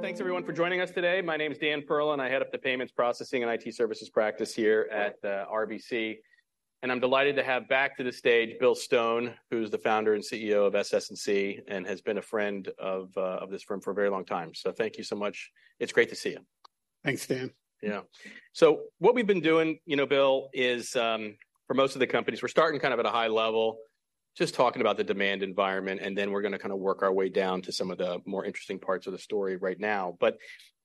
Well, thanks, everyone, for joining us today. My name is Dan Perlin, and I head up the Payments Processing and IT Services practice here at RBC. I'm delighted to have back to the stage Bill Stone, who's the founder and CEO of SS&C, and has been a friend of of this firm for a very long time. Thank you so much. It's great to see you. Thanks, Dan. Yeah. So what we've been doing, you know, Bill, is, for most of the companies, we're starting kind of at a high level, just talking about the demand environment, and then we're gonna kind of work our way down to some of the more interesting parts of the story right now. But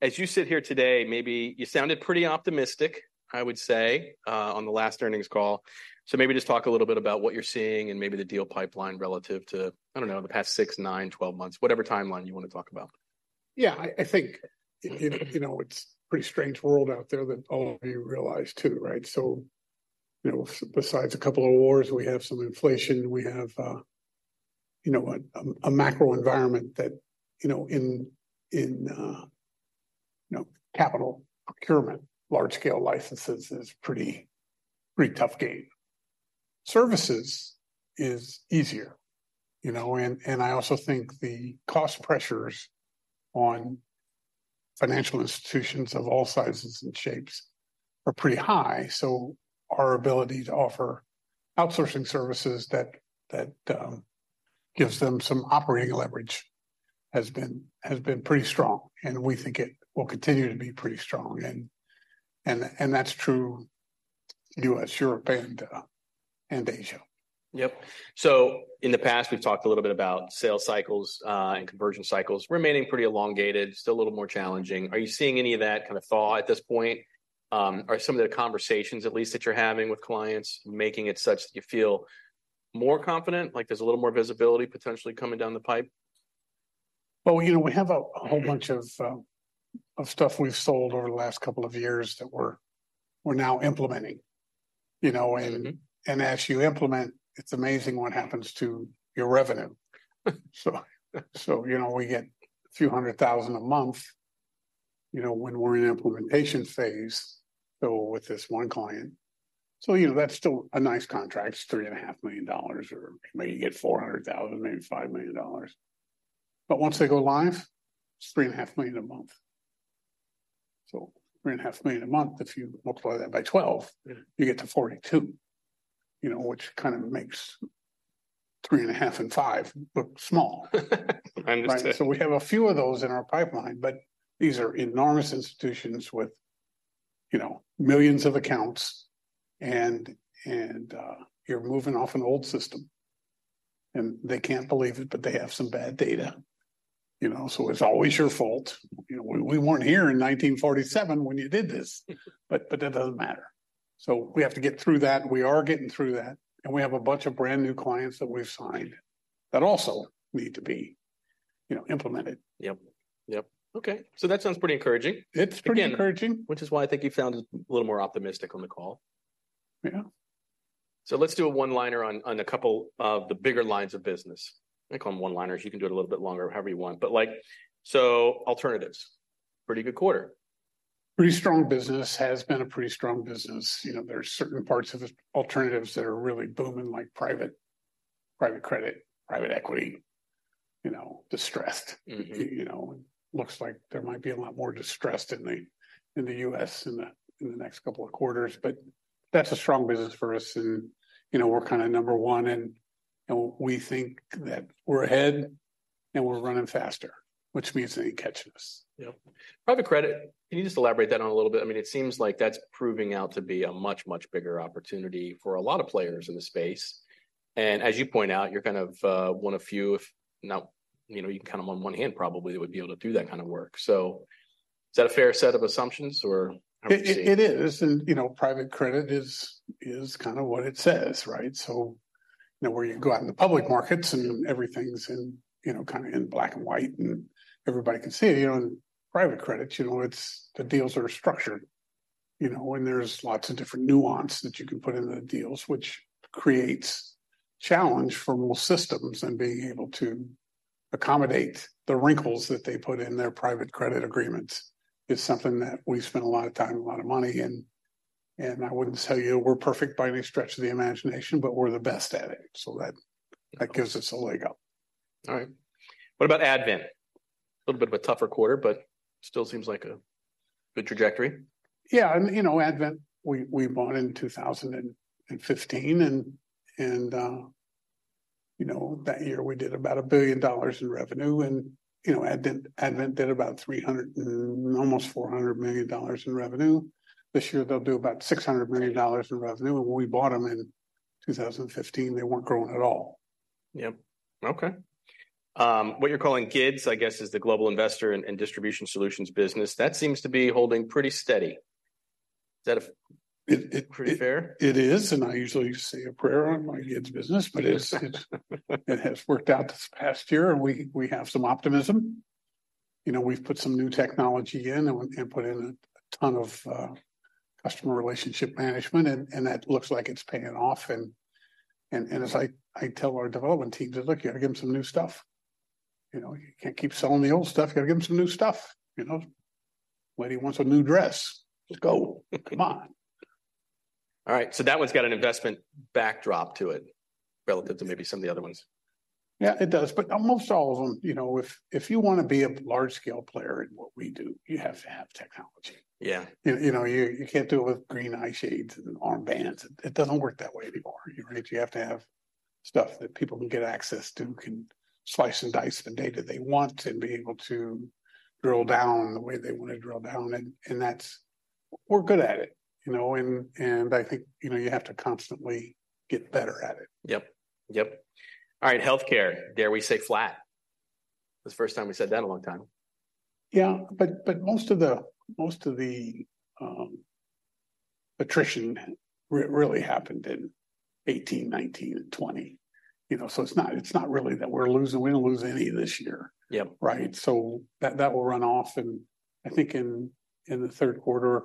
as you sit here today, maybe you sounded pretty optimistic, I would say, on the last earnings call. So maybe just talk a little bit about what you're seeing and maybe the deal pipeline relative to, I don't know, the past 6, 9, 12 months, whatever timeline you want to talk about. Yeah, I think, you know, it's a pretty strange world out there that all of you realize too, right? So, you know, besides a couple of wars, we have some inflation. We have, you know, a macro environment that, you know, in capital procurement, large-scale licenses is a pretty tough game. Services is easier, you know, and I also think the cost pressures on financial institutions of all sizes and shapes are pretty high. So our ability to offer outsourcing services that gives them some operating leverage has been pretty strong, and we think it will continue to be pretty strong. And that's true U.S., Europe, and Asia. Yep. So in the past, we've talked a little bit about sales cycles and conversion cycles remaining pretty elongated, still a little more challenging. Are you seeing any of that kind of thaw at this point? Are some of the conversations at least, that you're having with clients, making it such that you feel more confident, like there's a little more visibility potentially coming down the pipe? Well, you know, we have a whole bunch of stuff we've sold over the last couple of years that we're now implementing, you know, and- Mm-hmm. As you implement, it's amazing what happens to your revenue. So, so, you know, we get a few 100,000 a month, you know, when we're in implementation phase, so with this one client. So, you know, that's still a nice contract. It's $3.5 million, or maybe you get $400,000, maybe $5 million. But once they go live, it's $3.5 million a month. So $3.5 million a month, if you multiply that by 12- Yeah... you get to 42, you know, which kind of makes 3.5 and 5 look small. Understood. So we have a few of those in our pipeline, but these are enormous institutions with, you know, millions of accounts, and you're moving off an old system, and they can't believe it, but they have some bad data. You know, so it's always your fault. "You know, we weren't here in 1947 when you did this." But that doesn't matter. So we have to get through that, and we are getting through that, and we have a bunch of brand-new clients that we've signed that also need to be, you know, implemented. Yep, yep. Okay, so that sounds pretty encouraging. It's pretty encouraging. Which is why I think you sounded a little more optimistic on the call. Yeah. So let's do a one-liner on, on a couple of the bigger lines of business. I call them one-liners. You can do it a little bit longer, however you want. But, like... So alternatives, pretty good quarter. Pretty strong business. Has been a pretty strong business. You know, there are certain parts of the alternatives that are really booming, like private, private credit, private equity, you know, distressed. Mm-hmm. You know, looks like there might be a lot more distressed in the US in the next couple of quarters, but that's a strong business for us, and, you know, we're kind of number one, and we think that we're ahead, and we're running faster, which means they ain't catching us. Yep. Private Credit, can you just elaborate on that a little bit? I mean, it seems like that's proving out to be a much, much bigger opportunity for a lot of players in the space. And as you point out, you're kind of one of few, if not, you know, you can count them on one hand, probably, that would be able to do that kind of work. So is that a fair set of assumptions, or...? It is. You know, private credit is kind of what it says, right? So, you know, where you go out in the public markets, and everything's in, you know, kind of in black and white, and everybody can see. You know, in private credit, you know, it's the deals are structured, you know, and there's lots of different nuance that you can put in the deals, which creates challenge for most systems. And being able to accommodate the wrinkles that they put in their private credit agreements is something that we spent a lot of time and a lot of money in. And I wouldn't tell you we're perfect by any stretch of the imagination, but we're the best at it, so that- Yeah... that gives us a leg up. All right. What about Advent? A little bit of a tougher quarter, but still seems like a good trajectory. Yeah, and, you know, Advent, we bought in 2015, and, you know, that year we did about $1 billion in revenue. And, you know, Advent did about $300 million and almost $400 million in revenue. This year, they'll do about $600 million in revenue. When we bought them in 2015, they weren't growing at all. Yep. Okay. What you're calling GIDS, I guess, is the global investor and distribution solutions business. That seems to be holding pretty steady. Is that a- It, it- -pretty fair? It is, and I usually say a prayer on my GIDS business - but it has worked out this past year, and we have some optimism. You know, we've put some new technology in, and put in a ton of customer relationship management, and as I tell our development teams, "Look, you gotta give them some new stuff. You know, you can't keep selling the old stuff. You gotta give them some new stuff, you know? Wendy wants a new dress. Just go. Come on. ... All right, so that one's got an investment backdrop to it relative to maybe some of the other ones? Yeah, it does, but almost all of them, you know, if you wanna be a large-scale player in what we do, you have to have technology. Yeah. You know, you can't do it with green eye shades and armbands. It doesn't work that way anymore, right? You have to have stuff that people can get access to, can slice and dice the data they want, and be able to drill down the way they wanna drill down, and that's... We're good at it, you know, and I think, you know, you have to constantly get better at it. Yep. Yep. All right, healthcare, dare we say flat? That's the first time we said that in a long time. Yeah, but most of the attrition really happened in 2018, 2019, and 2020. You know, so it's not really that we're losing... We didn't lose any this year. Yep. Right? So that will run off in, I think, in the third quarter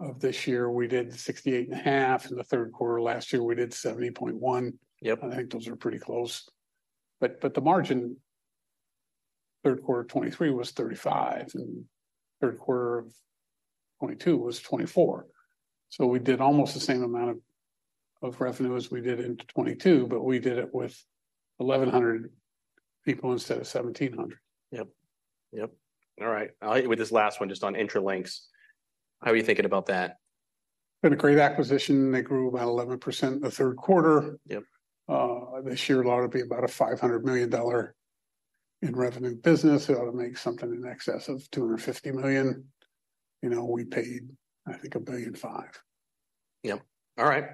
of this year, we did $68.5. In the third quarter of last year, we did $70.1. Yep. I think those are pretty close. But the margin, third quarter 2023 was 35%, and third quarter of 2022 was 24%. So we did almost the same amount of revenue as we did in 2022, but we did it with 1,100 people instead of 1,700. Yep, yep. All right, I'll hit you with this last one just on Intralinks. How are you thinking about that? Been a great acquisition. They grew about 11% in the third quarter. Yep. This year ought to be about a $500 million in revenue business. It ought to make something in excess of $250 million. You know, we paid, I think, $1.5 billion. Yep. All right.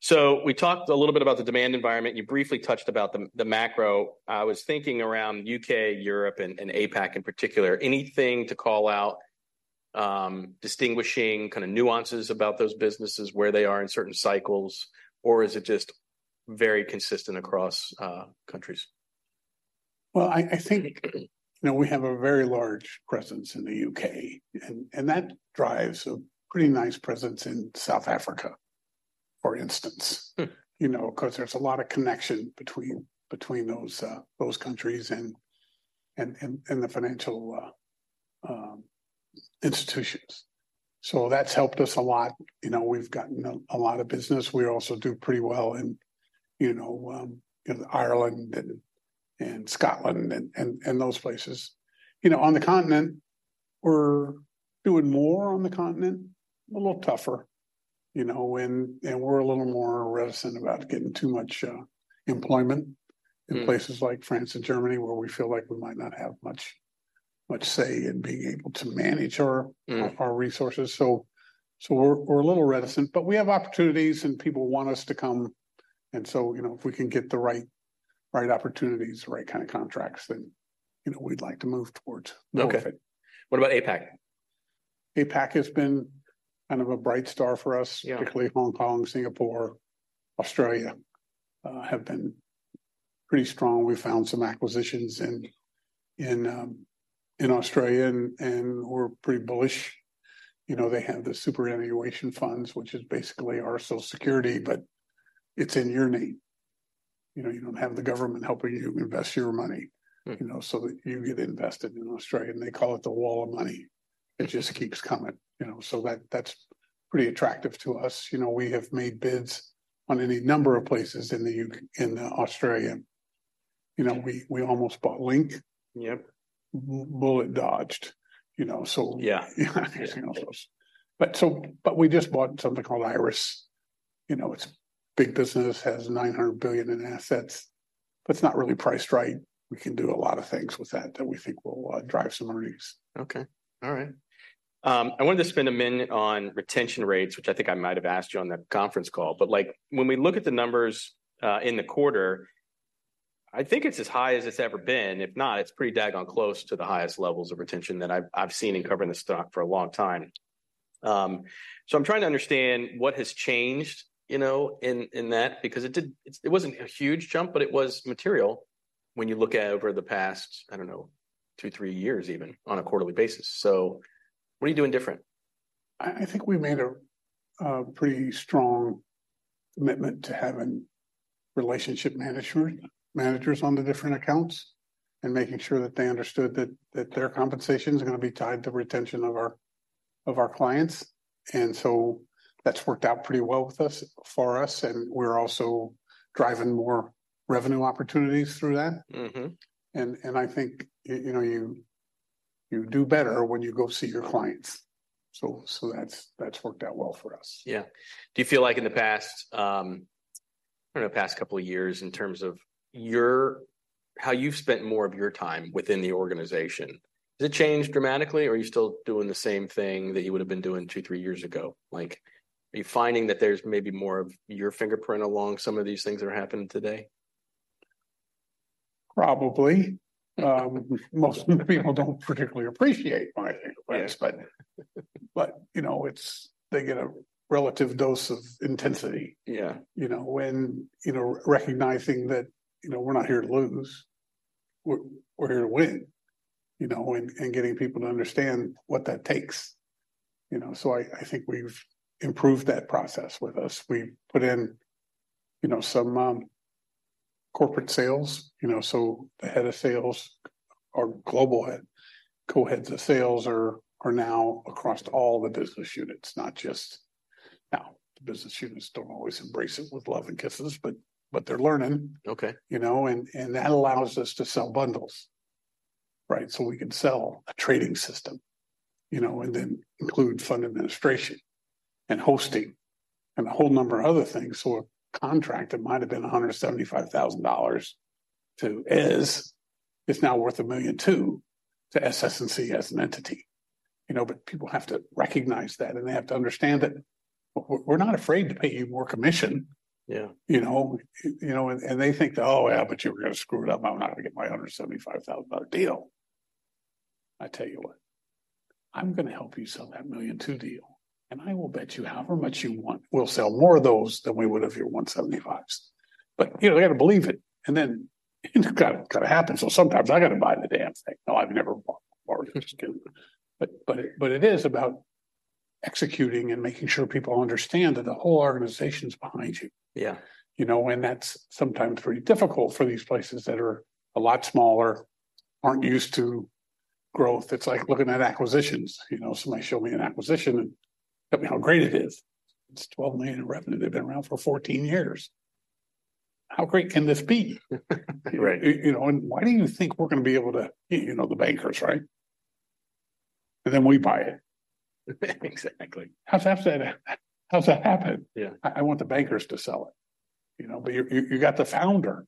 So we talked a little bit about the demand environment, and you briefly touched about the, the macro. I was thinking around UK, Europe, and, and APAC in particular, anything to call out, distinguishing kind of nuances about those businesses, where they are in certain cycles, or is it just very consistent across, countries? Well, I think, you know, we have a very large presence in the UK, and that drives a pretty nice presence in South Africa, for instance. Hmm. You know, 'cause there's a lot of connection between those countries and the financial institutions. So that's helped us a lot. You know, we've gotten a lot of business. We also do pretty well in, you know, in Ireland and Scotland and those places. You know, on the Continent, we're doing more on the Continent, a little tougher, you know, and we're a little more reticent about getting too much employment- Hmm... in places like France and Germany, where we feel like we might not have much, much say in being able to manage our- Hmm... our resources. So, we're a little reticent, but we have opportunities, and people want us to come, and so, you know, if we can get the right opportunities, the right kind of contracts, then, you know, we'd like to move towards more of it. Okay. What about APAC? APAC has been kind of a bright star for us. Yeah. Particularly Hong Kong, Singapore, Australia have been pretty strong. We found some acquisitions in Australia, and we're pretty bullish. You know, they have the superannuation funds, which is basically our Social Security, but it's in your name. You know, you don't have the government helping you invest your money- Hmm... you know, so that you get invested in Australia, and they call it the wall of money. It just keeps coming, you know, so that, that's pretty attractive to us. You know, we have made bids on any number of places in the U.K.- in, Australia. You know, we, we almost bought Link. Yep. Bullet dodged, you know, so- Yeah. You know those... But so, but we just bid on Iress. You know, it's a big business, has 900 billion in assets, but it's not really priced right. We can do a lot of things with that, that we think will drive some earnings. Okay. All right. I wanted to spend a minute on retention rates, which I think I might have asked you on the conference call. But, like, when we look at the numbers, in the quarter, I think it's as high as it's ever been. If not, it's pretty daggone close to the highest levels of retention that I've seen in covering this stock for a long time. So I'm trying to understand what has changed, you know, in that because it wasn't a huge jump, but it was material when you look at over the past, I don't know, two, three years, even on a quarterly basis. So what are you doing different? I think we made a pretty strong commitment to having relationship managers on the different accounts and making sure that they understood that their compensation is gonna be tied to retention of our clients, and so that's worked out pretty well for us, and we're also driving more revenue opportunities through that. Mm-hmm. I think, you know, you do better when you go see your clients. So that's worked out well for us. Yeah. Do you feel like in the past, I don't know, the past couple of years, in terms of your, how you've spent more of your time within the organization, has it changed dramatically, or are you still doing the same thing that you would've been doing 2, 3 years ago? Like, are you finding that there's maybe more of your fingerprint along some of these things that are happening today? Probably. Most people don't particularly appreciate my fingerprints- Yeah... but, you know, it's, they get a relative dose of intensity- Yeah... you know, when, you know, recognizing that, you know, we're not here to lose, we're here to win, you know, and, and getting people to understand what that takes. You know, so I think we've improved that process with us. We've put in, you know, some corporate sales, you know, so the head of sales or global head, co-heads of sales are now across all the business units, not just... Now, the business units don't always embrace it with love and kisses, but they're learning. Okay. You know, and that allows us to sell bundles, right? So we can sell a trading system, you know, and then include fund administration and hosting and a whole number of other things. So a contract that might have been $175,000 too is; it's now worth $1.2 million to SS&C as an entity. You know, but people have to recognize that, and they have to understand that we're not afraid to pay you more commission. Yeah. You know? You know, and they think, "Oh, yeah, but you were gonna screw it up. I'm not gonna get my $175,000 deal." I tell you what, I'm gonna help you sell that $1.2 million deal, and I will bet you however much you want, we'll sell more of those than we would of your $175,000s. But you know, they gotta believe it, and then it's gotta happen. So sometimes I gotta buy the damn thing. No, I've never bought or but, but it is about executing and making sure people understand that the whole organization's behind you. Yeah. You know, and that's sometimes pretty difficult for these places that are a lot smaller, aren't used to growth. It's like looking at acquisitions. You know, somebody show me an acquisition and tell me how great it is. It's $12 million in revenue. They've been around for 14 years. How great can this be? Right. You know, and why do you think we're gonna be able to... You know, the bankers, right? And then we buy it. Exactly. How's that gonna happen? How's that happen? Yeah. I want the bankers to sell it, you know, but you got the founder.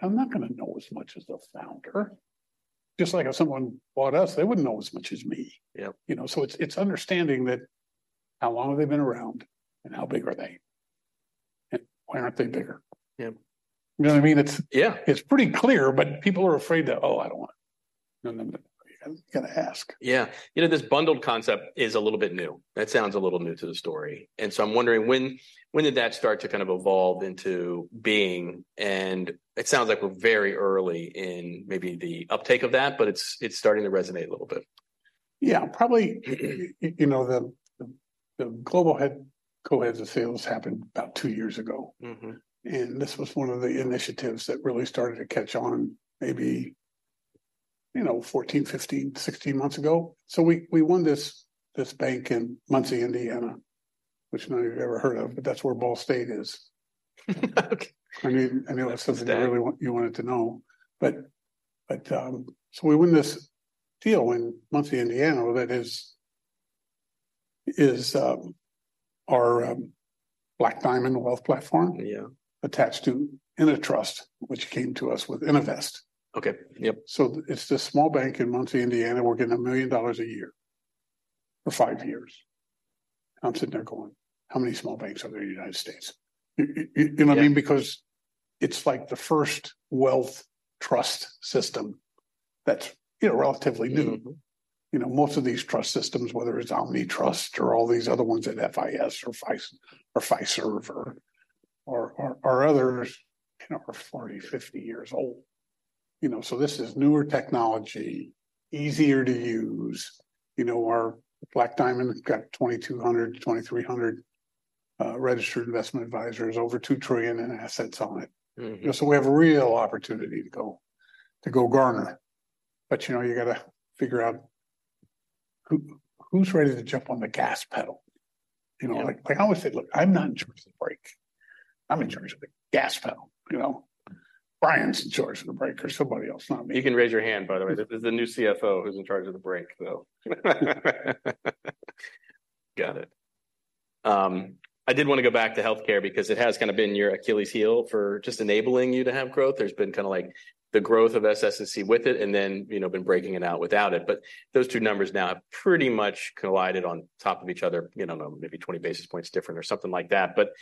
I'm not gonna know as much as the founder. Just like if someone bought us, they wouldn't know as much as me. Yep. You know, so it's understanding that how long have they been around, and how big are they, and why aren't they bigger? Yeah. You know what I mean? It's- Yeah. It's pretty clear, but people are afraid that, "Oh, I don't want... No, no, no. I've gotta ask. Yeah. You know, this bundled concept is a little bit new. That sounds a little new to the story, and so I'm wondering: when, when did that start to kind of evolve into being? It sounds like we're very early in maybe the uptake of that, but it's, it's starting to resonate a little bit. Yeah, probably, you know, the global head, co-heads of sales happened about two years ago. Mm-hmm. This was one of the initiatives that really started to catch on maybe, you know, 14, 15, 16 months ago. So we won this bank in Muncie, Indiana, which none of you have ever heard of, but that's where Ball State is. Okay. I mean, I know that's something you really want, you wanted to know, but so we win this deal in Muncie, Indiana, that is our Black Diamond wealth platform- Yeah... attached to Innovest, which came to us with Innovest. Okay. Yep. So it's this small bank in Muncie, Indiana. We're getting $1 million a year for 5 years. I'm sitting there going: "How many small banks are there in the United States?" You know what I mean? Yeah. Because it's like the first wealth trust system that's, you know, relatively new. Mm. You know, most of these trust systems, whether it's OmniTrust or all these other ones at FIS or Fiserv or others, you know, are 40, 50 years old. You know, so this is newer technology, easier to use. You know, our Black Diamond has got 2,200-2,300 registered investment advisors, over $2 trillion in assets on it. Mm-hmm. You know, so we have a real opportunity to go garner. But, you know, you gotta figure out who, who's ready to jump on the gas pedal. You know? Yeah. Like, I always say: "Look, I'm not in charge of the brake. I'm in charge of the gas pedal," you know? Brian's in charge of the brake or somebody else, not me. You can raise your hand, by the way. There's a new CFO who's in charge of the brake, though. Got it. I did wanna go back to healthcare because it has kind of been your Achilles heel for just enabling you to have growth. There's been kind of, like, the growth of SS&C with it, and then, you know, been breaking it out without it. But those two numbers now have pretty much collided on top of each other, you know, maybe 20 basis points different or something like that. But,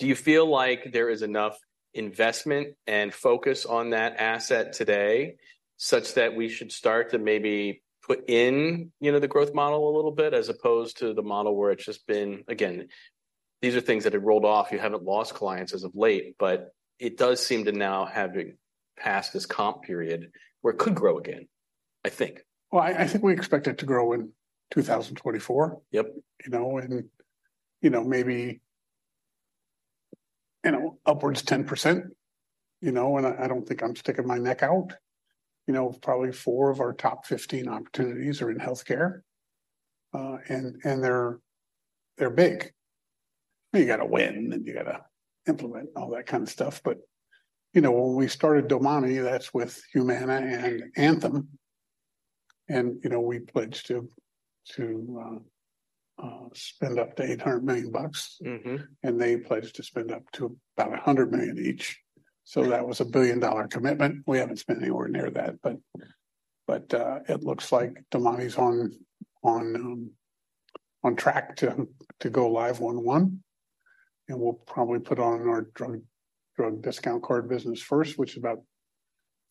do you feel like there is enough investment and focus on that asset today, such that we should start to maybe put in, you know, the growth model a little bit, as opposed to the model where it's just been... Again, these are things that have rolled off. You haven't lost clients as of late, but it does seem to now, having passed this comp period where it could grow again, I think. Well, I think we expect it to grow in 2024. Yep. You know, and, you know, maybe, you know, upwards 10%, you know, and I, I don't think I'm sticking my neck out. You know, probably four of our top 15 opportunities are in healthcare, and, and they're, they're big. You know, you gotta win, and you gotta implement all that kind of stuff. But, you know, when we started Domani, that's with Humana and Anthem, and, you know, we pledged to, to, spend up to $800 million. Mm-hmm. They pledged to spend up to about $100 million each. So that was a $1 billion commitment. We haven't spent anywhere near that, but it looks like Domani's on track to go live one to one, and we'll probably put on our drug discount card business first, which is about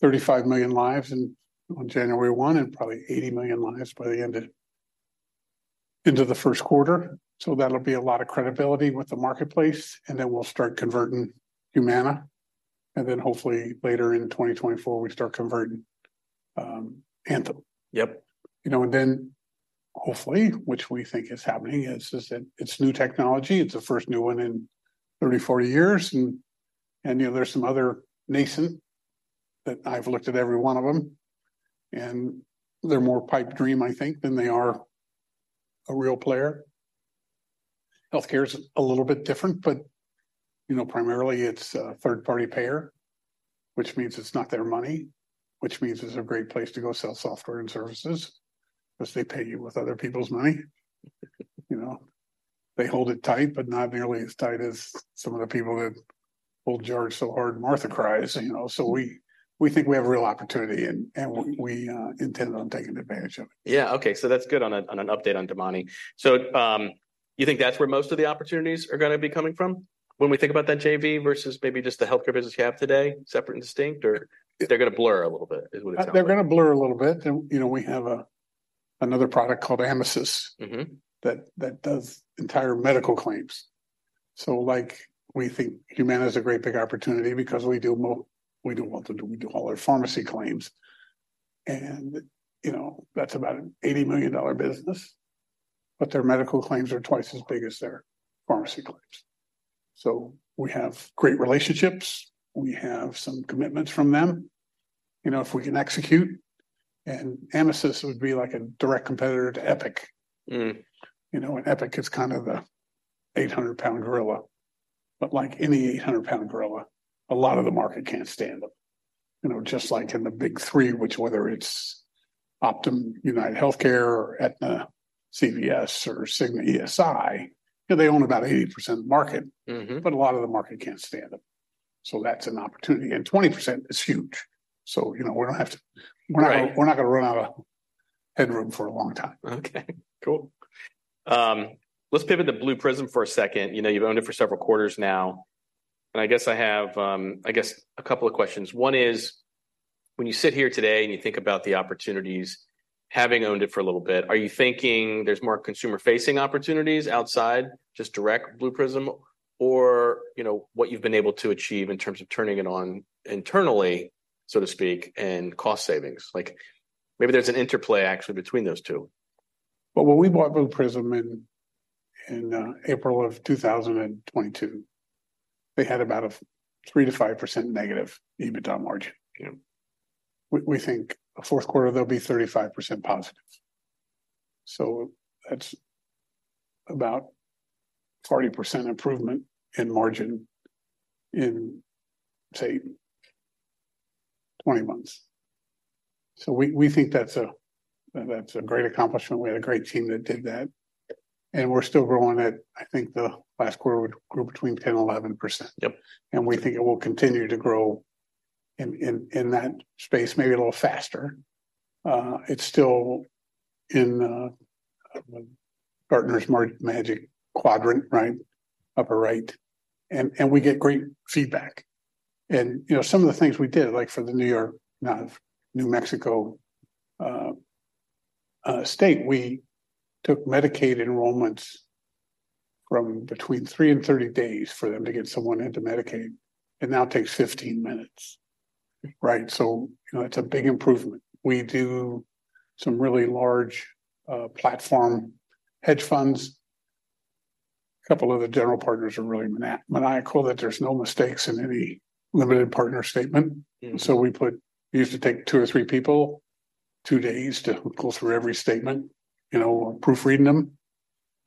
35 million lives in on January 1, and probably 80 million lives by the end of into the first quarter. So that'll be a lot of credibility with the marketplace, and then we'll start converting Humana, and then hopefully later in 2024, we start converting Anthem. Yep. You know, hopefully, which we think is happening, is that it's new technology. It's the first new one in 30, 40 years, and, you know, there are some other nascent, but I've looked at every one of them, and they're more pipe dream, I think, than they are a real player. Healthcare is a little bit different, but, you know, primarily it's a third-party payer, which means it's not their money, which means it's a great place to go sell software and services, 'cause they pay you with other people's money. You know, they hold it tight, but not nearly as tight as some of the people that hold George so hard, Martha cries, you know. So we think we have a real opportunity, and we intend on taking advantage of it. Yeah, okay. So that's good on an update on Domani. So, you think that's where most of the opportunities are gonna be coming from when we think about that JV versus maybe just the healthcare business you have today, separate and distinct, or they're gonna blur a little bit, is what it sounds like? They're gonna blur a little bit. You know, we have another product called Amisys- Mm-hmm. That does entire medical claims. So, like, we think Humana is a great big opportunity because we do more, we do want to do all their pharmacy claims, and, you know, that's about an $80 million business, but their medical claims are twice as big as their pharmacy claims. So we have great relationships. We have some commitments from them. You know, if we can execute, and Amisys would be, like, a direct competitor to Epic. Mm. You know, and Epic is kind of the 800-pound gorilla. But like any 800-pound gorilla, a lot of the market can't stand them. You know, just like in the Big Three, which whether it's Optum, UnitedHealthcare, Aetna, CVS, or Cigna ESI, you know, they own about 80% of the market. Mm-hmm. But a lot of the market can't stand them. So that's an opportunity, and 20% is huge. So, you know, we don't have to- Right. We're not, we're not gonna run out of headroom for a long time. Okay, cool. Let's pivot to Blue Prism for a second. You know, you've owned it for several quarters now, and I guess I have, I guess, a couple of questions. One is, when you sit here today and you think about the opportunities, having owned it for a little bit, are you thinking there's more consumer-facing opportunities outside, just direct Blue Prism? Or, you know, what you've been able to achieve in terms of turning it on internally, so to speak, and cost savings. Like, maybe there's an interplay actually between those two. Well, when we bought Blue Prism in April of 2022, they had about a 3%-5% negative EBITDA margin. Yep. We think fourth quarter, they'll be 35% positive. So that's about 40% improvement in margin in, say, 20 months. So we think that's a great accomplishment. We had a great team that did that, and we're still growing at... I think the last quarter, we grew between 10%-11%. Yep. We think it will continue to grow in that space, maybe a little faster. It's still in Gartner's Magic Quadrant, right, upper right, and we get great feedback. And, you know, some of the things we did, like for the New Mexico, we took Medicaid enrollments from between 3 and 30 days for them to get someone into Medicaid. It now takes 15 minutes, right? So, you know, it's a big improvement. We do some really large platform hedge funds. A couple of the general partners are really maniacal that there's no mistakes in any limited partner statement. Mm. So we put... We used to take two or three people, two days to go through every statement, you know, proofreading them.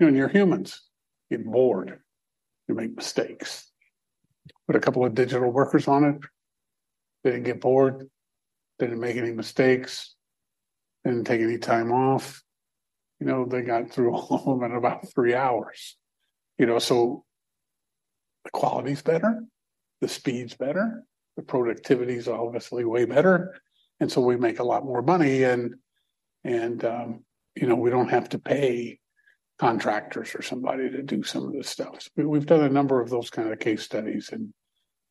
You know, you're humans; you get bored. You make mistakes. Put a couple of digital workers on it, they didn't get bored, they didn't make any mistakes, they didn't take any time off. You know, they got through all of them in about three hours. You know, so the quality's better, the speed's better, the productivity's obviously way better, and so we make a lot more money, and, and, you know, we don't have to pay contractors or somebody to do some of the stuff. We, we've done a number of those kind of case studies, and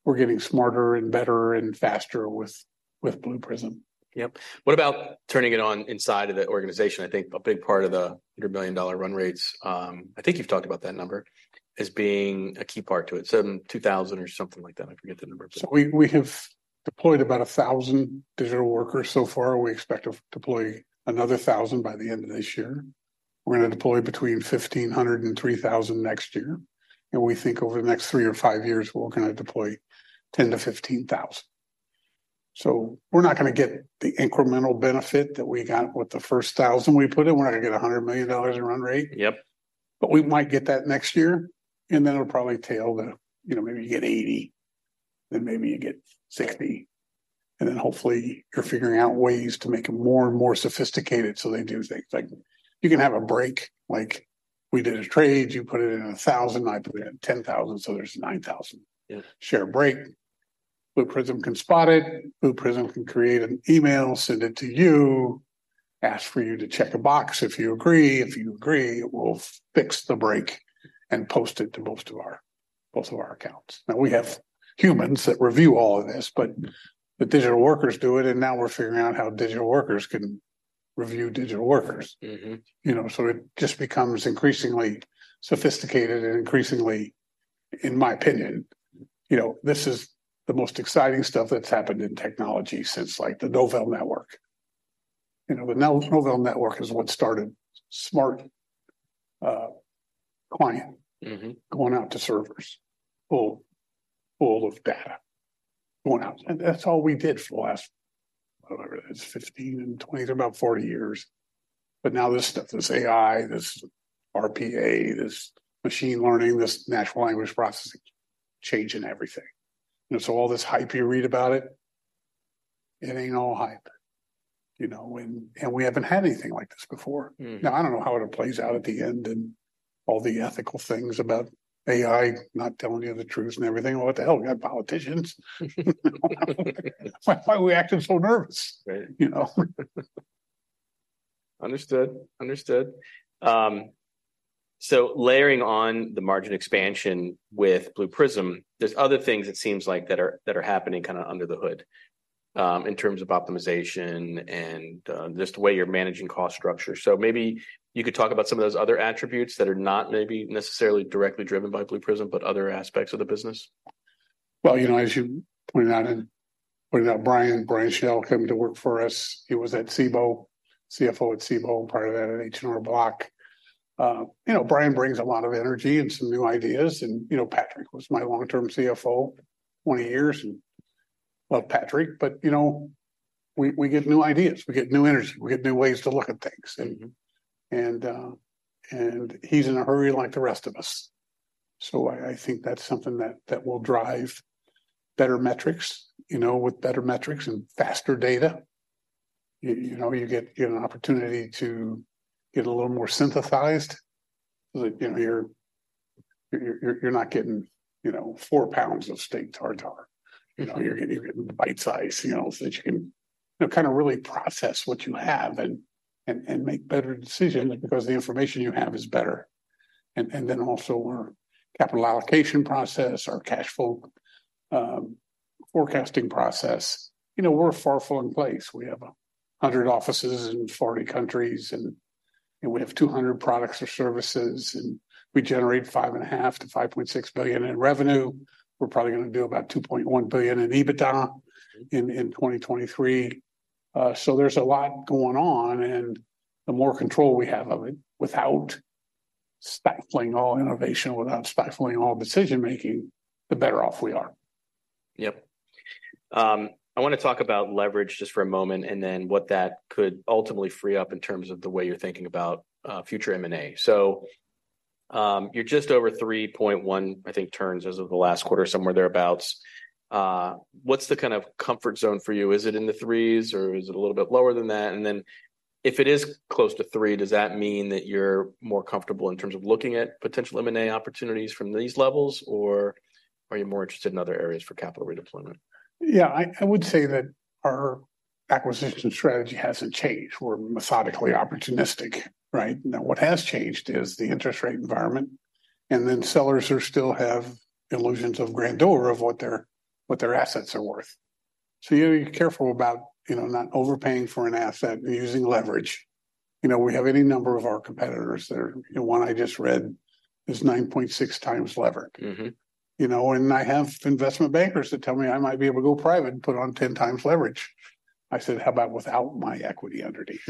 we're getting smarter and better and faster with, with Blue Prism. Yep. What about turning it on inside of the organization? I think a big part of the $100 million run rates. I think you've talked about that number as being a key part to it, 72,000 or something like that. I forget the number, but- So we have deployed about 1,000 digital workers so far. We expect to deploy another 1,000 by the end of this year. We're gonna deploy between 1,500 and 3,000 next year, and we think over the next three or five years, we're gonna deploy 10,000-15,000. So we're not gonna get the incremental benefit that we got with the first 1,000 we put in. We're not gonna get $100 million in run rate. Yep. But we might get that next year, and then it'll probably tail to, you know, maybe you get 80, then maybe you get 60, and then hopefully you're figuring out ways to make it more and more sophisticated so they do things. Like, you can have a break. Like, we did a trade, you put it in $1,000, I put in $10,000, so there's $9,000- Yeah... share break. Blue Prism can spot it. Blue Prism can create an email, send it to you, ask for you to check a box if you agree. If you agree, it will fix the break and post it to both of our, both of our accounts. Now, we have humans that review all of this, but the digital workers do it, and now we're figuring out how digital workers can review digital workers. Mm-hmm. You know, so it just becomes increasingly sophisticated and increasingly—in my opinion, you know, this is the most exciting stuff that's happened in technology since, like, the Novell Network. You know, the Novell Network is what started smart client- Mm-hmm. Going out to servers, full, full of data going out, and that's all we did for the last, whatever, it's 15 and 20, about 40 years. But now, this stuff, this AI, this RPA, this machine learning, this natural language processing, changing everything. And so all this hype you read about it, it ain't all hype, you know, and, and we haven't had anything like this before. Mm. Now, I don't know how it plays out at the end and all the ethical things about AI not telling you the truth and everything. What the hell? We got politicians. Why, why are we acting so nervous? Right. You know? Understood. Understood. So, layering on the margin expansion with Blue Prism, there's other things it seems like that are happening kinda under the hood, in terms of optimization and just the way you're managing cost structure. Maybe you could talk about some of those other attributes that are not maybe necessarily directly driven by Blue Prism, but other aspects of the business. Well, you know, as you pointed out, Brian, Brian Schell came to work for us. He was at Cboe, CFO at Cboe, prior to that at H&R Block. You know, Brian brings a lot of energy and some new ideas, and, you know, Patrick was my long-term CFO, 20 years, and loved Patrick. But, you know, we get new ideas, we get new energy, we get new ways to look at things. Mm-hmm. He's in a hurry like the rest of us. So I think that's something that will drive better metrics. You know, with better metrics and faster data, you know, you get an opportunity to get a little more synthesized. Like, you know, you're not getting, you know, four pounds of steak tartare. Mm-hmm. You know, you're getting, getting bite-size, you know, so that you can kinda really process what you have and, and, and make better decisions because the information you have is better. And, and then also, our capital allocation process, our cash flow, forecasting process, you know, we're a far-flung place. We have 100 offices in 40 countries, and, and we have 200 products or services, and we generate $5.5 billion-$5.6 billion in revenue. We're probably gonna do about $2.1 billion in EBITDA- Mm... in 2023. So there's a lot going on, and the more control we have of it, without stifling all innovation, without stifling all decision-making, the better off we are. Yep. I wanna talk about leverage just for a moment, and then what that could ultimately free up in terms of the way you're thinking about future M&A. So, you're just over 3.1, I think, turns as of the last quarter, somewhere thereabouts. What's the kind of comfort zone for you? Is it in the threes, or is it a little bit lower than that? And then, if it is close to 3, does that mean that you're more comfortable in terms of looking at potential M&A opportunities from these levels, or are you more interested in other areas for capital redeployment? Yeah, I, I would say that our acquisition strategy hasn't changed. We're methodically opportunistic, right? Now, what has changed is the interest rate environment, and then sellers are still have illusions of grandeur of what their, what their assets are worth. So you gotta be careful about, you know, not overpaying for an asset using leverage. You know, we have any number of our competitors that are... You know, one I just read is 9.6 times levered. Mm-hmm. You know, and I have investment bankers that tell me I might be able to go private and put on 10 times leverage. I said, "How about without my equity underneath?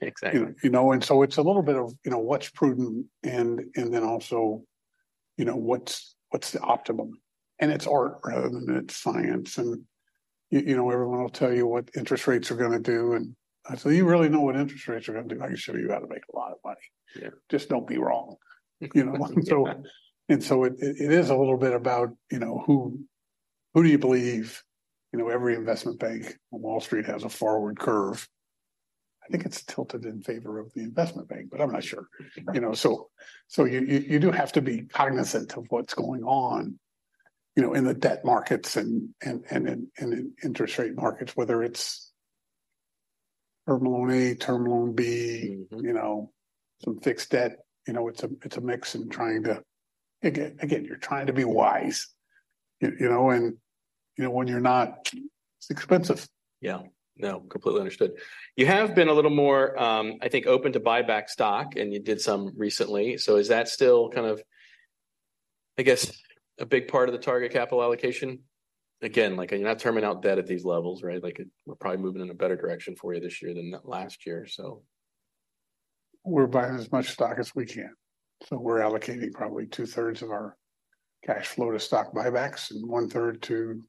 Exactly. You know, and so it's a little bit of, you know, what's prudent and, and then also, you know, what's the optimum? And it's art rather than it's science, and you know, everyone will tell you what interest rates are gonna do, and, so you really know what interest rates are gonna do, I can show you how to make a lot of money. Yeah. Just don't be wrong, you know? Yeah. And so it is a little bit about, you know, who do you believe? You know, every investment bank on Wall Street has a forward curve. I think it's tilted in favor of the investment bank, but I'm not sure. Right. You know, so you do have to be cognizant of what's going on, you know, in the debt markets and in interest rate markets, whether it's Term Loan A, Term Loan B- Mm-hmm... you know, some fixed debt. You know, it's a mix and trying to... Again, you're trying to be wise, you know, and, you know, when you're not, it's expensive. Yeah. No, completely understood. You have been a little more, I think, open to buy back stock, and you did some recently. So is that still kind of, I guess, a big part of the target capital allocation? Again, like, you're not terming out debt at these levels, right? Like, we're probably moving in a better direction for you this year than last year, so. We're buying as much stock as we can, so we're allocating probably two-thirds of our cash flow to stock buybacks and one-third to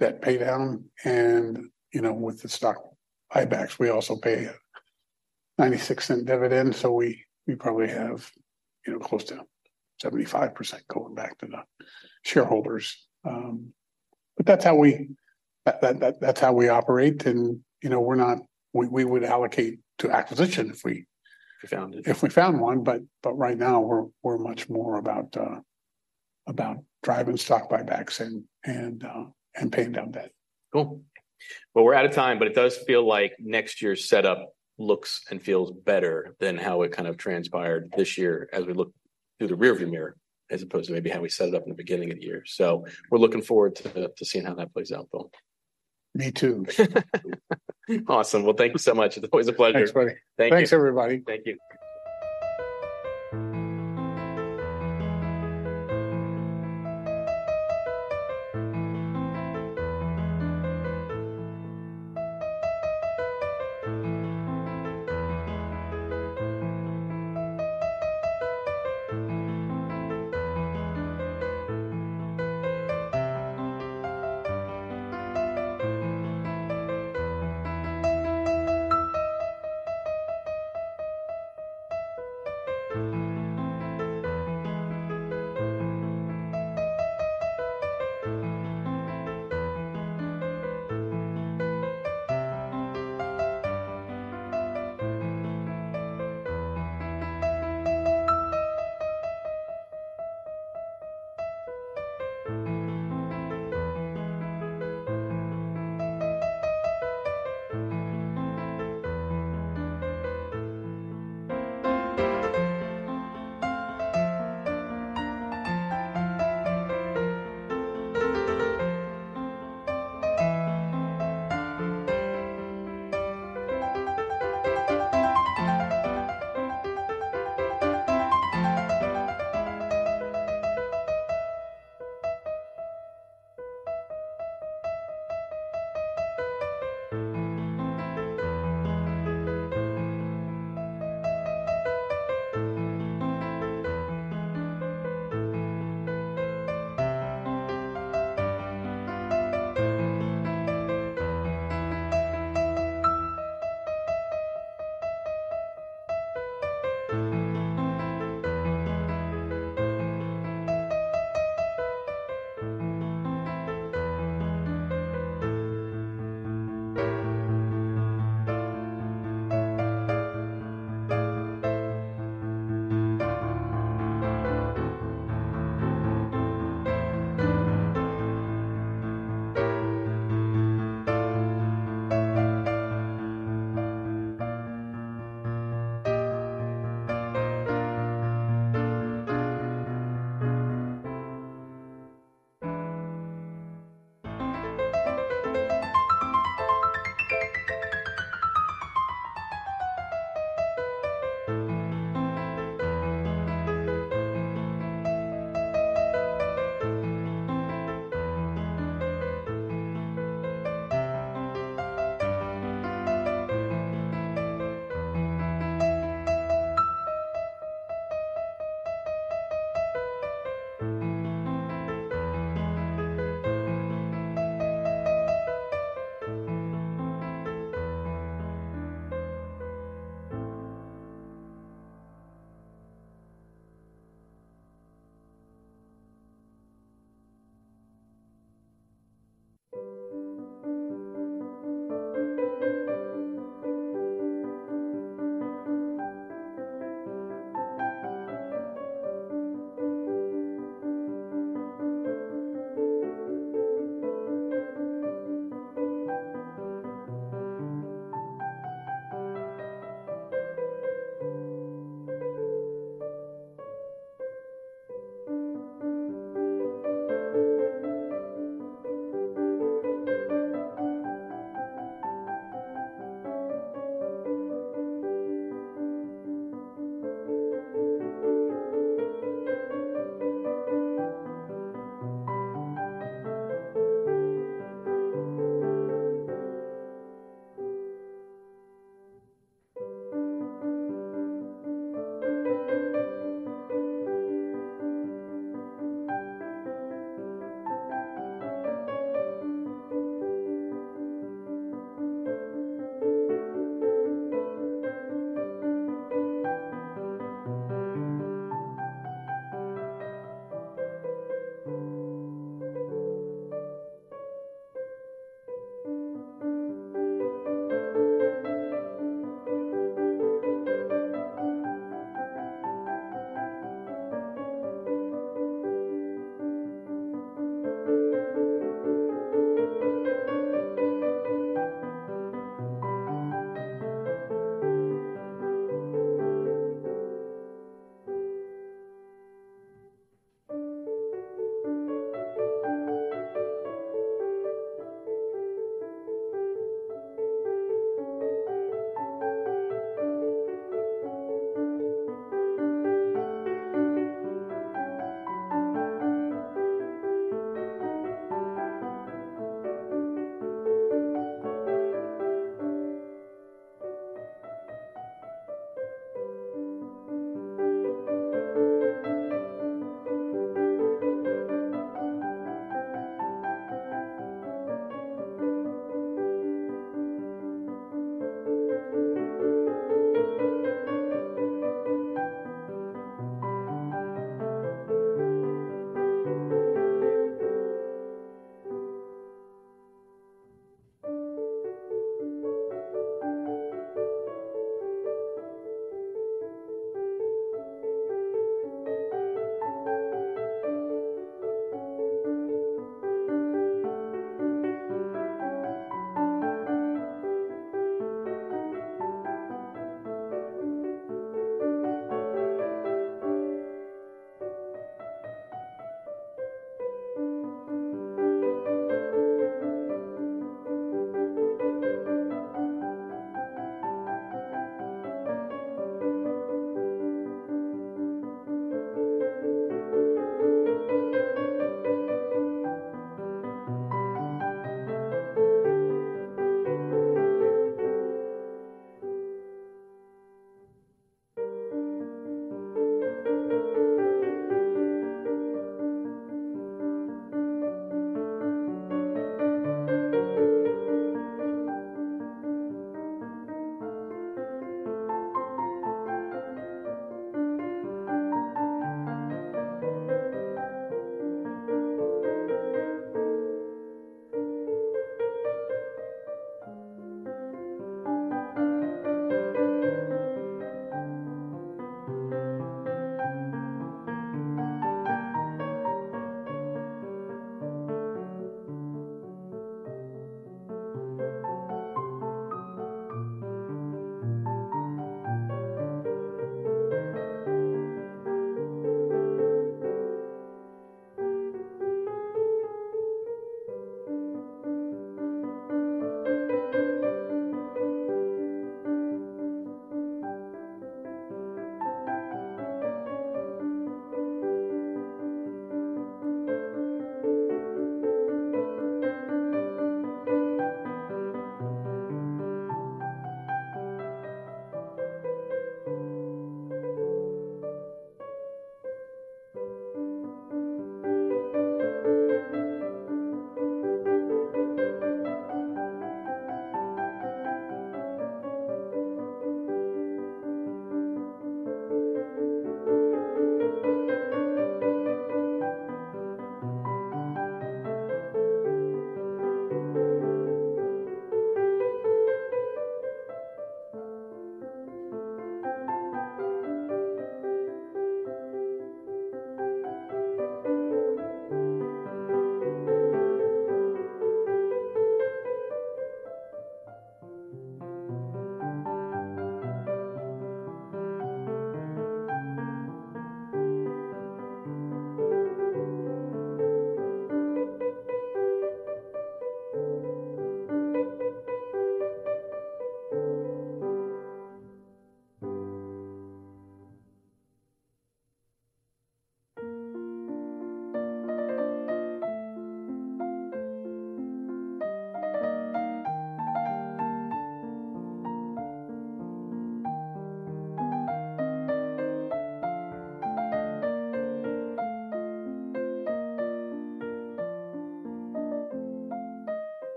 debt paydown. And, you know, with the stock buybacks, we also pay a $0.96 dividend, so we probably have, you know, close to 75% going back to the shareholders. But that's how we operate, and, you know, we're not... We would allocate to acquisition if we- If you found it.... if we found one, but right now, we're much more about driving stock buybacks and paying down debt. Cool. Well, we're out of time, but it does feel like next year's setup looks and feels better than how it kind of transpired this year as we look through the rearview mirror, as opposed to maybe how we set it up in the beginning of the year. So we're looking forward to, to seeing how that plays out, though.... Me too. Awesome! Well, thank you so much. It's always a pleasure. Thanks, buddy. Thank you. Thanks, everybody. Thank you. ... Thank you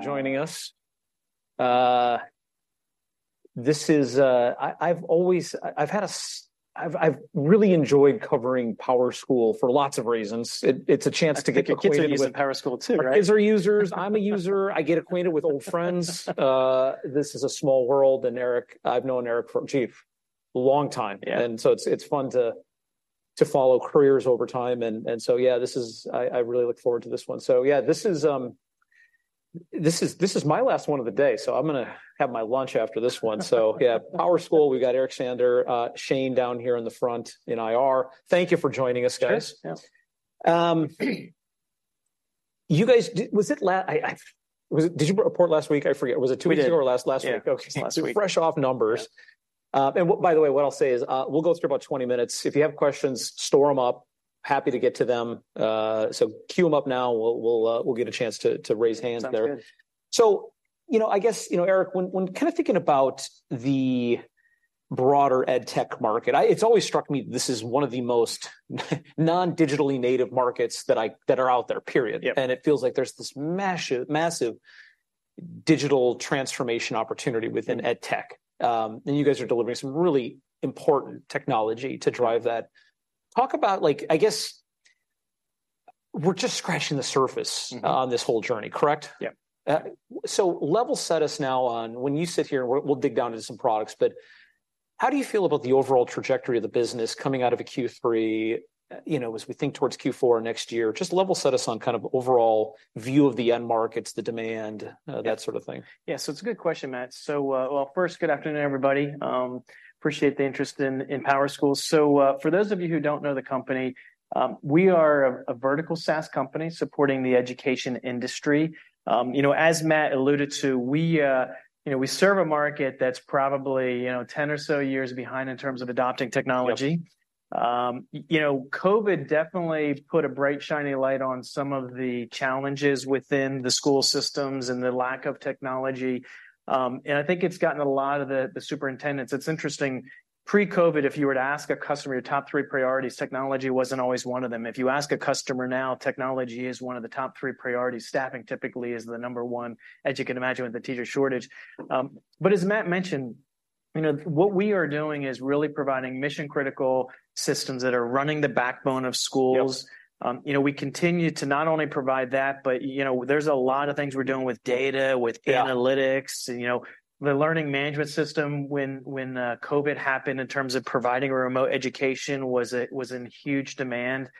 for joining us. I've always... I've really enjoyed covering PowerSchool for lots of reasons. It's a chance to get acquainted with- I think your kids are used to PowerSchool, too, right? These are users. I'm a user. I get acquainted with old friends. This is a small world, and Eric, I've known Eric from Red Hat a long time. Yeah. So it's fun to follow careers over time. And so, yeah, this is... I really look forward to this one. So yeah, this is my last one of the day, so I'm gonna have my lunch after this one. So yeah, PowerSchool, we've got Eric Shander, Shane down here in the front, in IR. Thank you for joining us, guys. Sure, yeah. You guys, did you report last week? I forget. Was it two weeks ago- We did... or last week? Yeah. Okay. Last week. So, fresh off numbers. Yeah. By the way, what I'll say is, we'll go through about 20 minutes. If you have questions, store 'em up, happy to get to them. So queue 'em up now, and we'll get a chance to raise hands there. Sounds good. So, you know, I guess, you know, Eric, when kind of thinking about the broader ed tech market, it's always struck me this is one of the most non-digitally native markets that are out there, period. Yep. It feels like there's this massive, massive digital transformation opportunity within ed tech, and you guys are delivering some really important technology to drive that. Talk about, like, I guess... We're just scratching the surface- Mm-hmm... on this whole journey, correct? Yep. So level set us now on when you sit here, and we'll dig down into some products, but how do you feel about the overall trajectory of the business coming out of a Q3, you know, as we think towards Q4 next year? Just level set us on kind of overall view of the end markets, the demand. Yeah... that sort of thing. Yeah, so it's a good question, Matt. So, well, first, good afternoon, everybody. Appreciate the interest in PowerSchool. So, for those of you who don't know the company, we are a vertical SaaS company supporting the education industry. You know, as Matt alluded to, we, you know, we serve a market that's probably, you know, 10 or so years behind in terms of adopting technology. COVID definitely put a bright, shiny light on some of the challenges within the school systems and the lack of technology. And I think it's gotten a lot of the superintendents. It's interesting, pre-COVID, if you were to ask a customer your top three priorities, technology wasn't always one of them. If you ask a customer now, technology is one of the top three priorities. Staffing typically is the number one, as you can imagine, with the teacher shortage. But as Matt mentioned, you know, what we are doing is really providing mission-critical systems that are running the backbone of schools. Yep. You know, we continue to not only provide that, but, you know, there's a lot of things we're doing with data, with- Yeah... analytics, and, you know, the learning management system when COVID happened in terms of providing remote education was, it was in huge demand.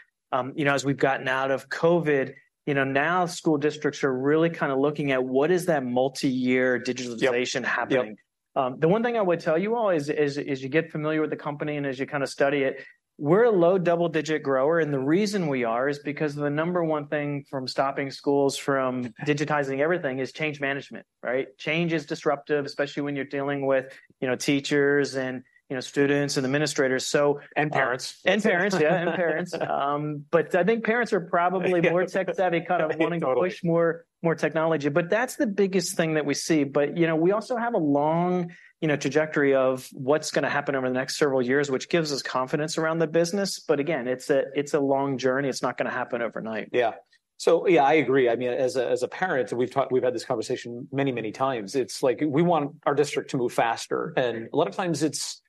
You know, as we've gotten out of COVID, you know, now school districts are really kind of looking at what is that multi-year digitalization happening? Yep, yep. The one thing I would tell you all is you get familiar with the company, and as you kind of study it, we're a low double-digit grower, and the reason we are is because the number one thing from stopping schools from digitizing everything is change management, right? Change is disruptive, especially when you're dealing with, you know, teachers, and, you know, students, and administrators, so- And parents. And parents, yeah, and parents. But I think parents are probably- Yeah... more tech-savvy, kind of- I think totally. ...wanting to push more, more technology. But that's the biggest thing that we see. But, you know, we also have a long, you know, trajectory of what's gonna happen over the next several years, which gives us confidence around the business, but again, it's a, it's a long journey. It's not gonna happen overnight. Yeah. So yeah, I agree. I mean, as a, as a parent, we've talked, we've had this conversation many, many times. It's like we want our district to move faster. Mm... and a lot of times it's,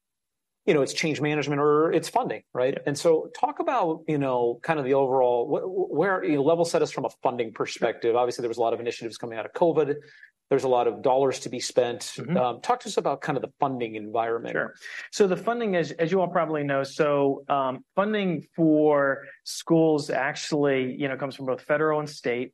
you know, it's change management or it's funding, right? Yeah. So talk about, you know, kind of the overall where... You know, level set us from a funding perspective. Sure. Obviously, there was a lot of initiatives coming out of COVID. There's a lot of dollars to be spent. Mm-hmm. Talk to us about kind of the funding environment. Sure. So the funding is, as you all probably know, so, funding for schools actually, you know, comes from both federal and state.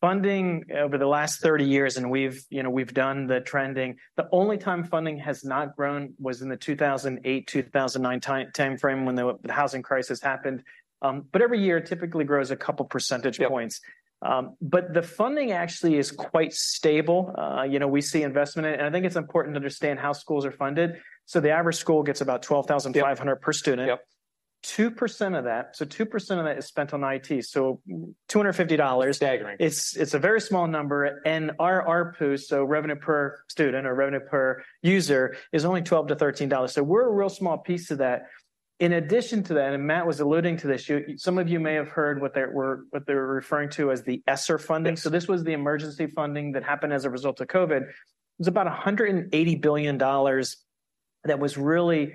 Funding over the last 30 years, and we've, you know, we've done the trending, the only time funding has not grown was in the 2008, 2009 timeframe when the housing crisis happened. But every year, it typically grows a couple percentage points. Yeah. But the funding actually is quite stable. You know, we see investment in it, and I think it's important to understand how schools are funded. So the average school gets about 12,500- Yep... per student. Yep. 2% of that, so 2% of that is spent on IT, so $250. Staggering. It's a very small number, and our RPU, so revenue per student or revenue per user, is only $12-$13. So we're a real small piece of that. In addition to that, and Matt was alluding to this, you some of you may have heard what they were referring to as the ESSER funding. Yes. So this was the emergency funding that happened as a result of COVID. It was about $180 billion that was really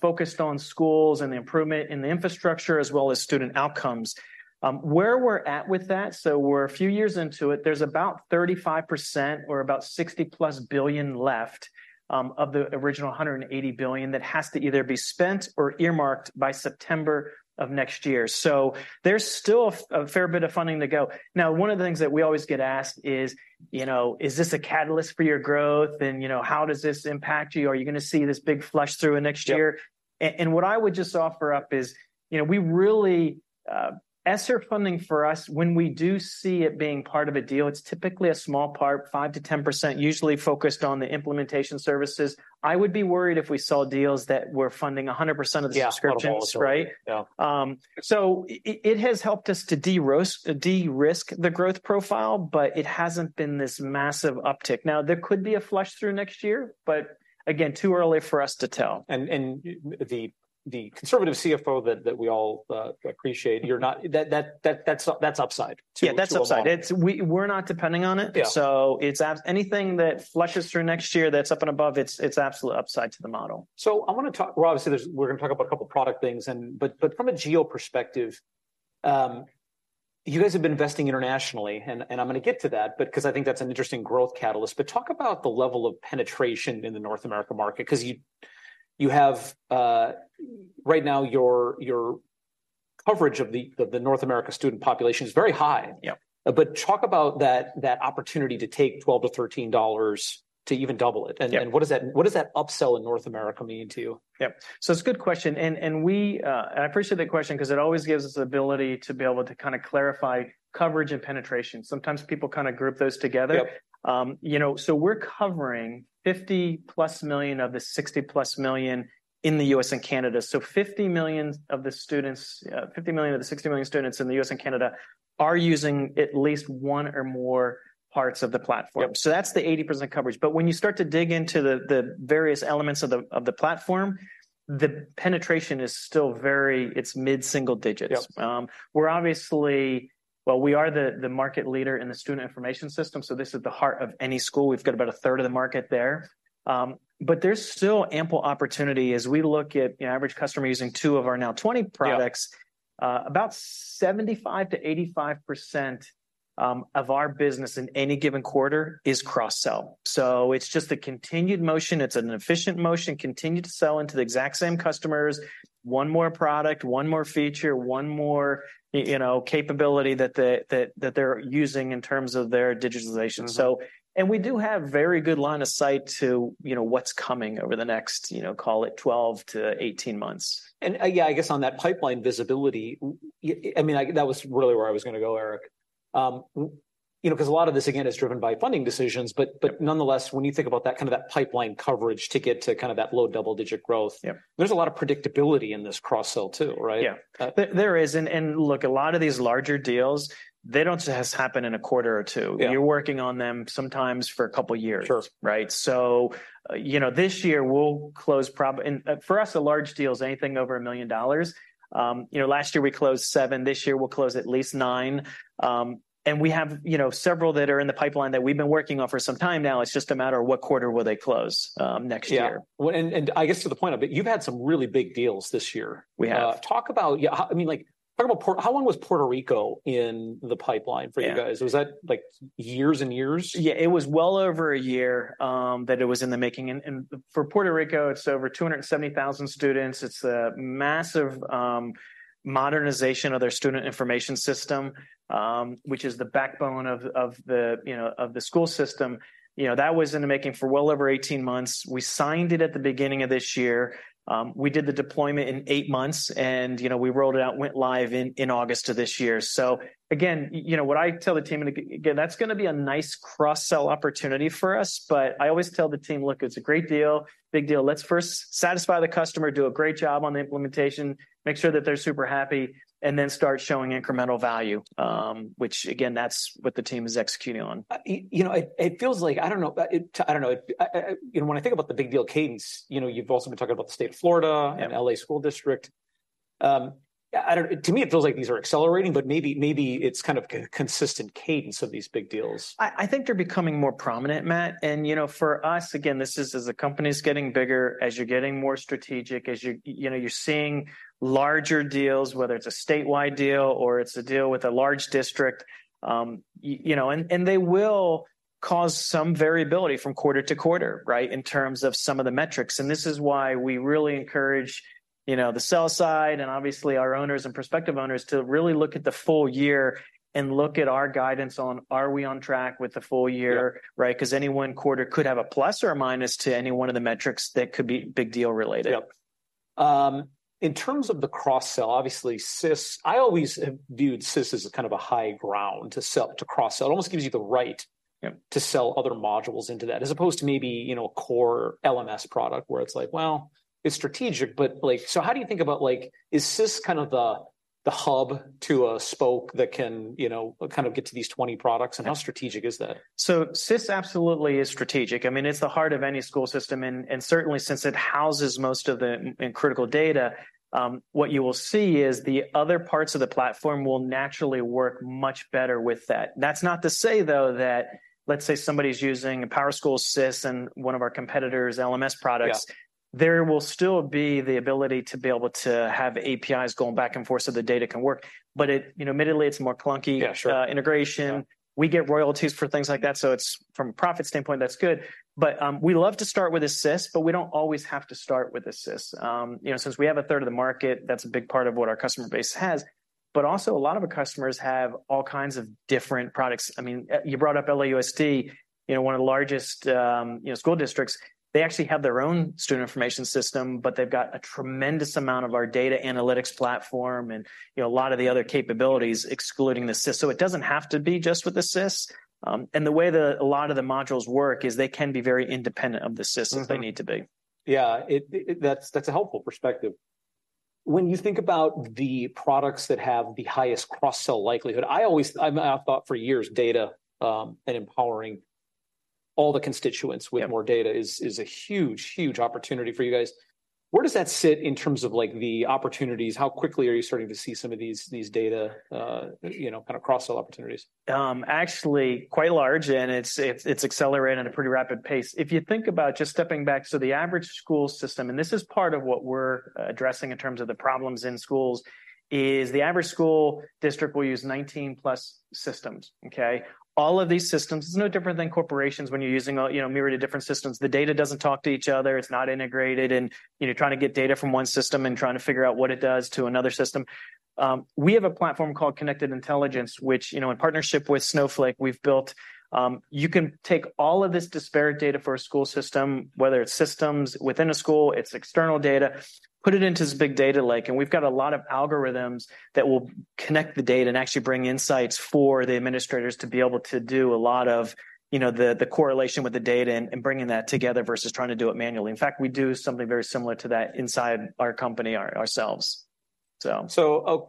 focused on schools and the improvement in the infrastructure as well as student outcomes. Where we're at with that, so we're a few years into it. There's about 35% or about $60+ billion left of the original $180 billion that has to either be spent or earmarked by September of next year. So there's still a fair bit of funding to go. Now, one of the things that we always get asked is, you know, "Is this a catalyst for your growth?" and, you know, "How does this impact you? Are you gonna see this big flush through in next year? Yep. What I would just offer up is, you know, we really ESSER funding for us, when we do see it being part of a deal, it's typically a small part, 5%-10%, usually focused on the implementation services. I would be worried if we saw deals that were funding 100% of the subscriptions- Yeah, not at all.... right? Yeah. So, it has helped us to de-risk the growth profile, but it hasn't been this massive uptick. Now, there could be a flush through next year, but again, too early for us to tell. the conservative CFO that we all appreciate, you're not... That's upside to a- Yeah, that's upside. It's... We, we're not depending on it. Yeah. So it's anything that flushes through next year, that's up and above. It's absolute upside to the model. So I wanna talk. Well, obviously, we're gonna talk about a couple product things, but from a geo perspective, you guys have been investing internationally, and I'm gonna get to that, but 'cause I think that's an interesting growth catalyst. But talk about the level of penetration in the North America market, 'cause you have right now, your coverage of the North America student population is very high. Yep. Talk about that opportunity to take $12-$13 to even double it. Yeah. What does that upsell in North America mean to you? Yep. So it's a good question, and, and we... And I appreciate that question 'cause it always gives us the ability to be able to kinda clarify coverage and penetration. Sometimes people kind of group those together. Yep. You know, so we're covering 50+ million of the 60+ million in the U.S. and Canada. So 50 million of the 60 million students in the U.S. and Canada are using at least one or more parts of the platform. Yep. So that's the 80% coverage. But when you start to dig into the various elements of the platform, the penetration is still very. It's mid-single digits. Yep. We're obviously... Well, we are the market leader in the student information system, so this is the heart of any school. We've got about a third of the market there. But there's still ample opportunity as we look at, you know, average customer using two of our now 20 products- Yeah... about 75%-85% of our business in any given quarter is cross-sell. So it's just a continued motion. It's an efficient motion, continue to sell into the exact same customers, one more product, one more feature, one more, you know, capability that the, that, that they're using in terms of their digitalization. Mm-hmm. We do have very good line of sight to, you know, what's coming over the next, you know, call it 12-18 months. Yeah, I guess on that pipeline visibility, I mean, that was really where I was gonna go, Eric. You know, 'cause a lot of this, again, is driven by funding decisions. Yeah. But, nonetheless, when you think about that, kind of that pipeline coverage to get to kind of that low double-digit growth- Yeah... there's a lot of predictability in this cross-sell, too, right? Yeah. There is. And look, a lot of these larger deals, they don't just happen in a quarter or two. Yeah. You're working on them sometimes for a couple years. Sure. Right? So, you know, this year, we'll close, and for us, a large deal is anything over $1 million. You know, last year we closed 7. This year, we'll close at least 9. And we have, you know, several that are in the pipeline that we've been working on for some time now. It's just a matter of what quarter will they close, next year. Yeah. Well, and, and I guess to the point of it, you've had some really big deals this year. We have. Talk about, yeah, how... I mean, like, talk about Puerto Rico, how long was Puerto Rico in the pipeline for you guys? Yeah. Was that, like, years and years? Yeah, it was well over a year that it was in the making. And for Puerto Rico, it's over 270,000 students. It's a massive modernization of their student information system, which is the backbone of the school system. You know, that was in the making for well over 18 months. We signed it at the beginning of this year. We did the deployment in 8 months, and, you know, we rolled it out, went live in August of this year. So again, you know, what I tell the team, and again, that's gonna be a nice cross-sell opportunity for us, but I always tell the team, "Look, it's a great deal, big deal. Let's first satisfy the customer, do a great job on the implementation, make sure that they're super happy, and then start showing incremental value." Which, again, that's what the team is executing on. You know, it feels like... I don't know. You know, when I think about the big deal cadence, you know, you've also been talking about the state of Florida- Yeah... and L.A. School District. To me, it feels like these are accelerating, but maybe, maybe it's kind of a consistent cadence of these big deals. I think they're becoming more prominent, Matt. And, you know, for us, again, this is as the company's getting bigger, as you're getting more strategic, as you're, you know, you're seeing larger deals, whether it's a statewide deal or it's a deal with a large district. You know, and they will cause some variability from quarter to quarter, right, in terms of some of the metrics. And this is why we really encourage, you know, the sell side, and obviously our owners and prospective owners, to really look at the full year and look at our guidance on are we on track with the full year? Yeah. Right? 'Cause any one quarter could have a plus or a minus to any one of the metrics that could be big deal-related. Yep. In terms of the cross-sell, obviously SIS, I always have viewed SIS as a kind of a high ground to sell, to cross-sell. It almost gives you the right- Yeah... to sell other modules into that, as opposed to maybe, you know, a core LMS product, where it's like, well, it's strategic, but, like... So how do you think about, like, is SIS kind of the, the hub to a spoke that can, you know, kind of get to these 20 products? Yeah. How strategic is that? So SIS absolutely is strategic. I mean, it's the heart of any school system, and certainly since it houses most of the critical data, what you will see is the other parts of the platform will naturally work much better with that. That's not to say, though, that let's say somebody's using PowerSchool SIS and one of our competitor's LMS products- Yeah ... there will still be the ability to be able to have APIs going back and forth so the data can work. But it, you know, admittedly, it's a more clunky- Yeah, sure... integration. Yeah. We get royalties for things like that, so it's, from a profit standpoint, that's good. But, we love to start with a SIS, but we don't always have to start with a SIS. You know, since we have a third of the market, that's a big part of what our customer base has, but also a lot of the customers have all kinds of different products. I mean, you brought up LAUSD, you know, one of the largest, you know, school districts. They actually have their own student information system, but they've got a tremendous amount of our data analytics platform and, you know, a lot of the other capabilities excluding the SIS. So it doesn't have to be just with the SIS. And the way the, a lot of the modules work is they can be very independent of the SIS- Mm-hmm... if they need to be. Yeah, that's a helpful perspective. When you think about the products that have the highest cross-sell likelihood, I always... I have thought for years data and empowering all the constituents- Yeah... with more data is a huge, huge opportunity for you guys. Where does that sit in terms of, like, the opportunities? How quickly are you starting to see some of these data, you know, kind of cross-sell opportunities? Actually, quite large, and it's accelerating at a pretty rapid pace. If you think about just stepping back, so the average school system, and this is part of what we're addressing in terms of the problems in schools, is the average school district will use 19+ systems, okay? All of these systems, it's no different than corporations when you're using all, you know, myriad of different systems. The data doesn't talk to each other. It's not integrated, and, you know, trying to get data from one system and trying to figure out what it does to another system. We have a platform called Connected Intelligence, which, you know, in partnership with Snowflake, we've built... You can take all of this disparate data for a school system, whether it's systems within a school, it's external data, put it into this big data lake, and we've got a lot of algorithms that will connect the data and actually bring insights for the administrators to be able to do a lot of, you know, the correlation with the data and bringing that together versus trying to do it manually. In fact, we do something very similar to that inside our company, ourselves, so-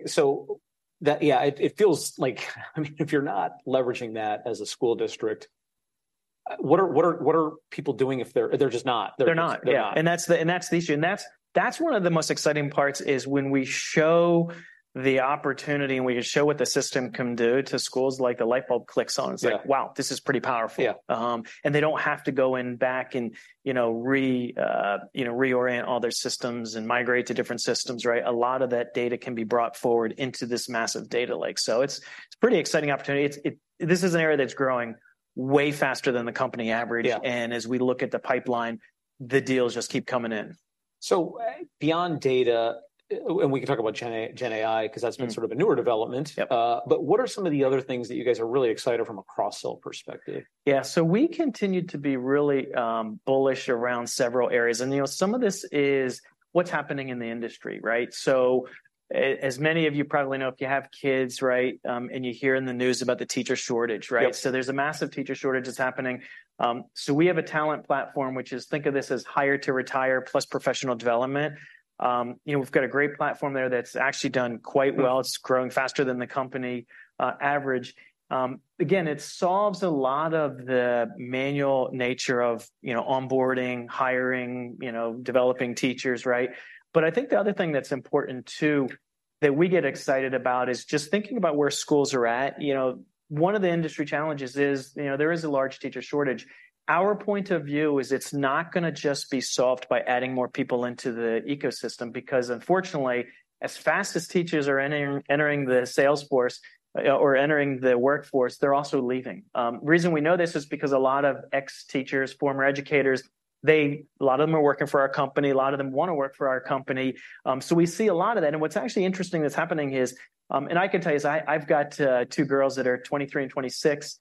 Yeah, it feels like I mean, if you're not leveraging that as a school district, what are people doing if they're just not, they're just- They're not. Yeah. And that's the issue. And that's one of the most exciting parts, is when we show the opportunity and we show what the system can do to schools, like, a light bulb clicks on. Yeah. It's like, "Wow, this is pretty powerful. Yeah. And they don't have to go back and, you know, reorient all their systems and migrate to different systems, right? A lot of that data can be brought forward into this massive data lake. So it's a pretty exciting opportunity. This is an area that's growing way faster than the company average. Yeah. As we look at the pipeline, the deals just keep coming in. beyond data, and we can talk about Gen AI, 'cause that's been- Mm... sort of a newer development. Yep. But what are some of the other things that you guys are really excited from a cross-sell perspective? Yeah, so we continue to be really bullish around several areas, and, you know, some of this is what's happening in the industry, right? So, as many of you probably know, if you have kids, right, and you hear in the news about the teacher shortage, right? Yep. So there's a massive teacher shortage that's happening. So we have a talent platform, which is, think of this as hire to retire, plus professional development. You know, we've got a great platform there that's actually done quite well. Mm. It's growing faster than the company average. Again, it solves a lot of the manual nature of, you know, onboarding, hiring, you know, developing teachers, right? But I think the other thing that's important, too, that we get excited about, is just thinking about where schools are at. You know, one of the industry challenges is, you know, there is a large teacher shortage. Our point of view is it's not gonna just be solved by adding more people into the ecosystem, because unfortunately, as fast as teachers are entering the sales force, or entering the workforce, they're also leaving. Reason we know this is because a lot of ex-teachers, former educators, they. A lot of them are working for our company, a lot of them wanna work for our company. So we see a lot of that, and what's actually interesting that's happening is, and I can tell you, I’ve got two girls that are 23 and 26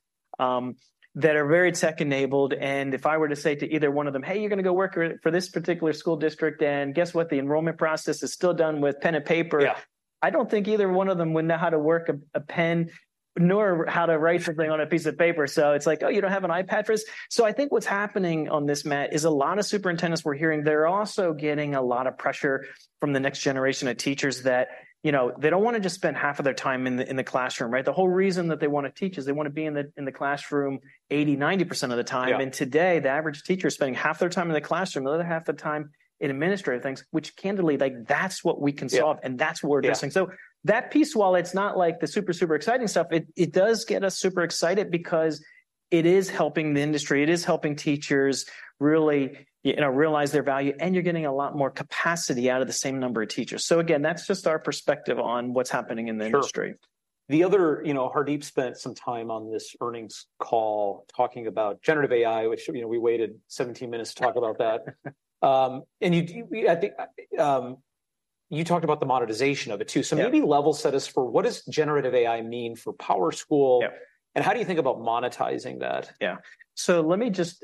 that are very tech-enabled, and if I were to say to either one of them, "Hey, you're gonna go work for this particular school district, and guess what? The enrollment process is still done with pen and paper- Yeah.... I don't think either one of them would know how to work a pen, nor how to write something on a piece of paper. So it's like, "Oh, you don't have an iPad for this?" So I think what's happening on this, Matt, is a lot of superintendents we're hearing. They're also getting a lot of pressure from the next generation of teachers that, you know, they don't wanna just spend half of their time in the classroom, right? The whole reason that they wanna teach is they wanna be in the classroom 80%-90% of the time. Yeah. Today, the average teacher is spending half their time in the classroom, the other half of the time in administrative things, which candidly, like, that's what we can solve- Yeah... and that's what we're addressing. Yeah. So that piece, while it's not, like, the super, super exciting stuff, it does get us super excited because it is helping the industry, it is helping teachers really, you know, realize their value, and you're getting a lot more capacity out of the same number of teachers. So again, that's just our perspective on what's happening in the industry. Sure. The other... You know, Hardeep spent some time on this earnings call talking about generative AI, which, you know, we waited 17 minutes to talk about that. You, I think, you talked about the monetization of it, too. Yeah. So maybe level set us for what does generative AI mean for PowerSchool? Yep... and how do you think about monetizing that? Yeah. So let me just,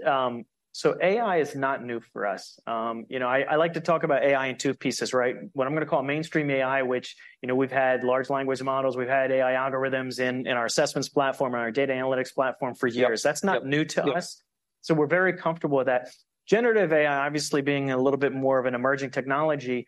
So AI is not new for us. You know, I, I like to talk about AI in two pieces, right? What I'm gonna call mainstream AI, which, you know, we've had large language models, we've had AI algorithms in, in our assessments platform and our data analytics platform for years. Yep. Yep. That's not new to us- Yep... so we're very comfortable with that. Generative AI, obviously being a little bit more of an emerging technology,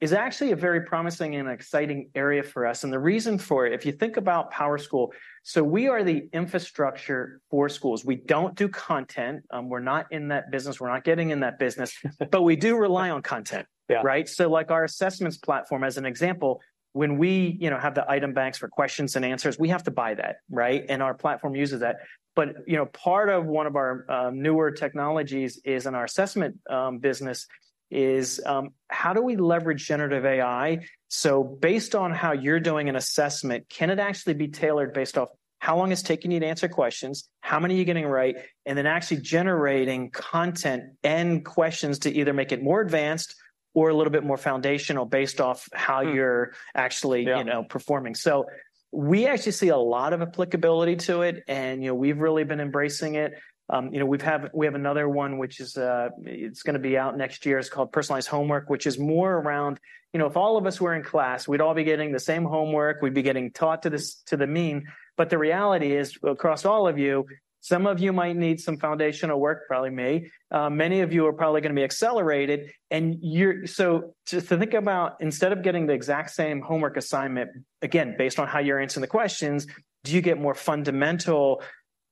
is actually a very promising and exciting area for us, and the reason for it, if you think about PowerSchool, so we are the infrastructure for schools. We don't do content. We're not in that business. We're not getting in that business. But we do rely on content. Yeah. Right? So, like, our assessments platform, as an example, when we, you know, have the item banks for questions and answers, we have to buy that, right? And our platform uses that. But, you know, part of one of our newer technologies is in our assessment business, is how do we leverage generative AI? So based on how you're doing an assessment, can it actually be tailored based off how long it's taking you to answer questions, how many are you getting right, and then actually generating content and questions to either make it more advanced or a little bit more foundational based off how you're- Hmm... actually, you know- Yeah... performing. So we actually see a lot of applicability to it, and, you know, we've really been embracing it. You know, we have another one, which is, it's gonna be out next year. It's called personalized homework, which is more around, you know, if all of us were in class, we'd all be getting the same homework. We'd be getting taught to the mean. But the reality is, across all of you, some of you might need some foundational work, probably me. Many of you are probably gonna be accelerated, and you're so just to think about instead of getting the exact same homework assignment, again, based on how you're answering the questions, do you get more fundamental, you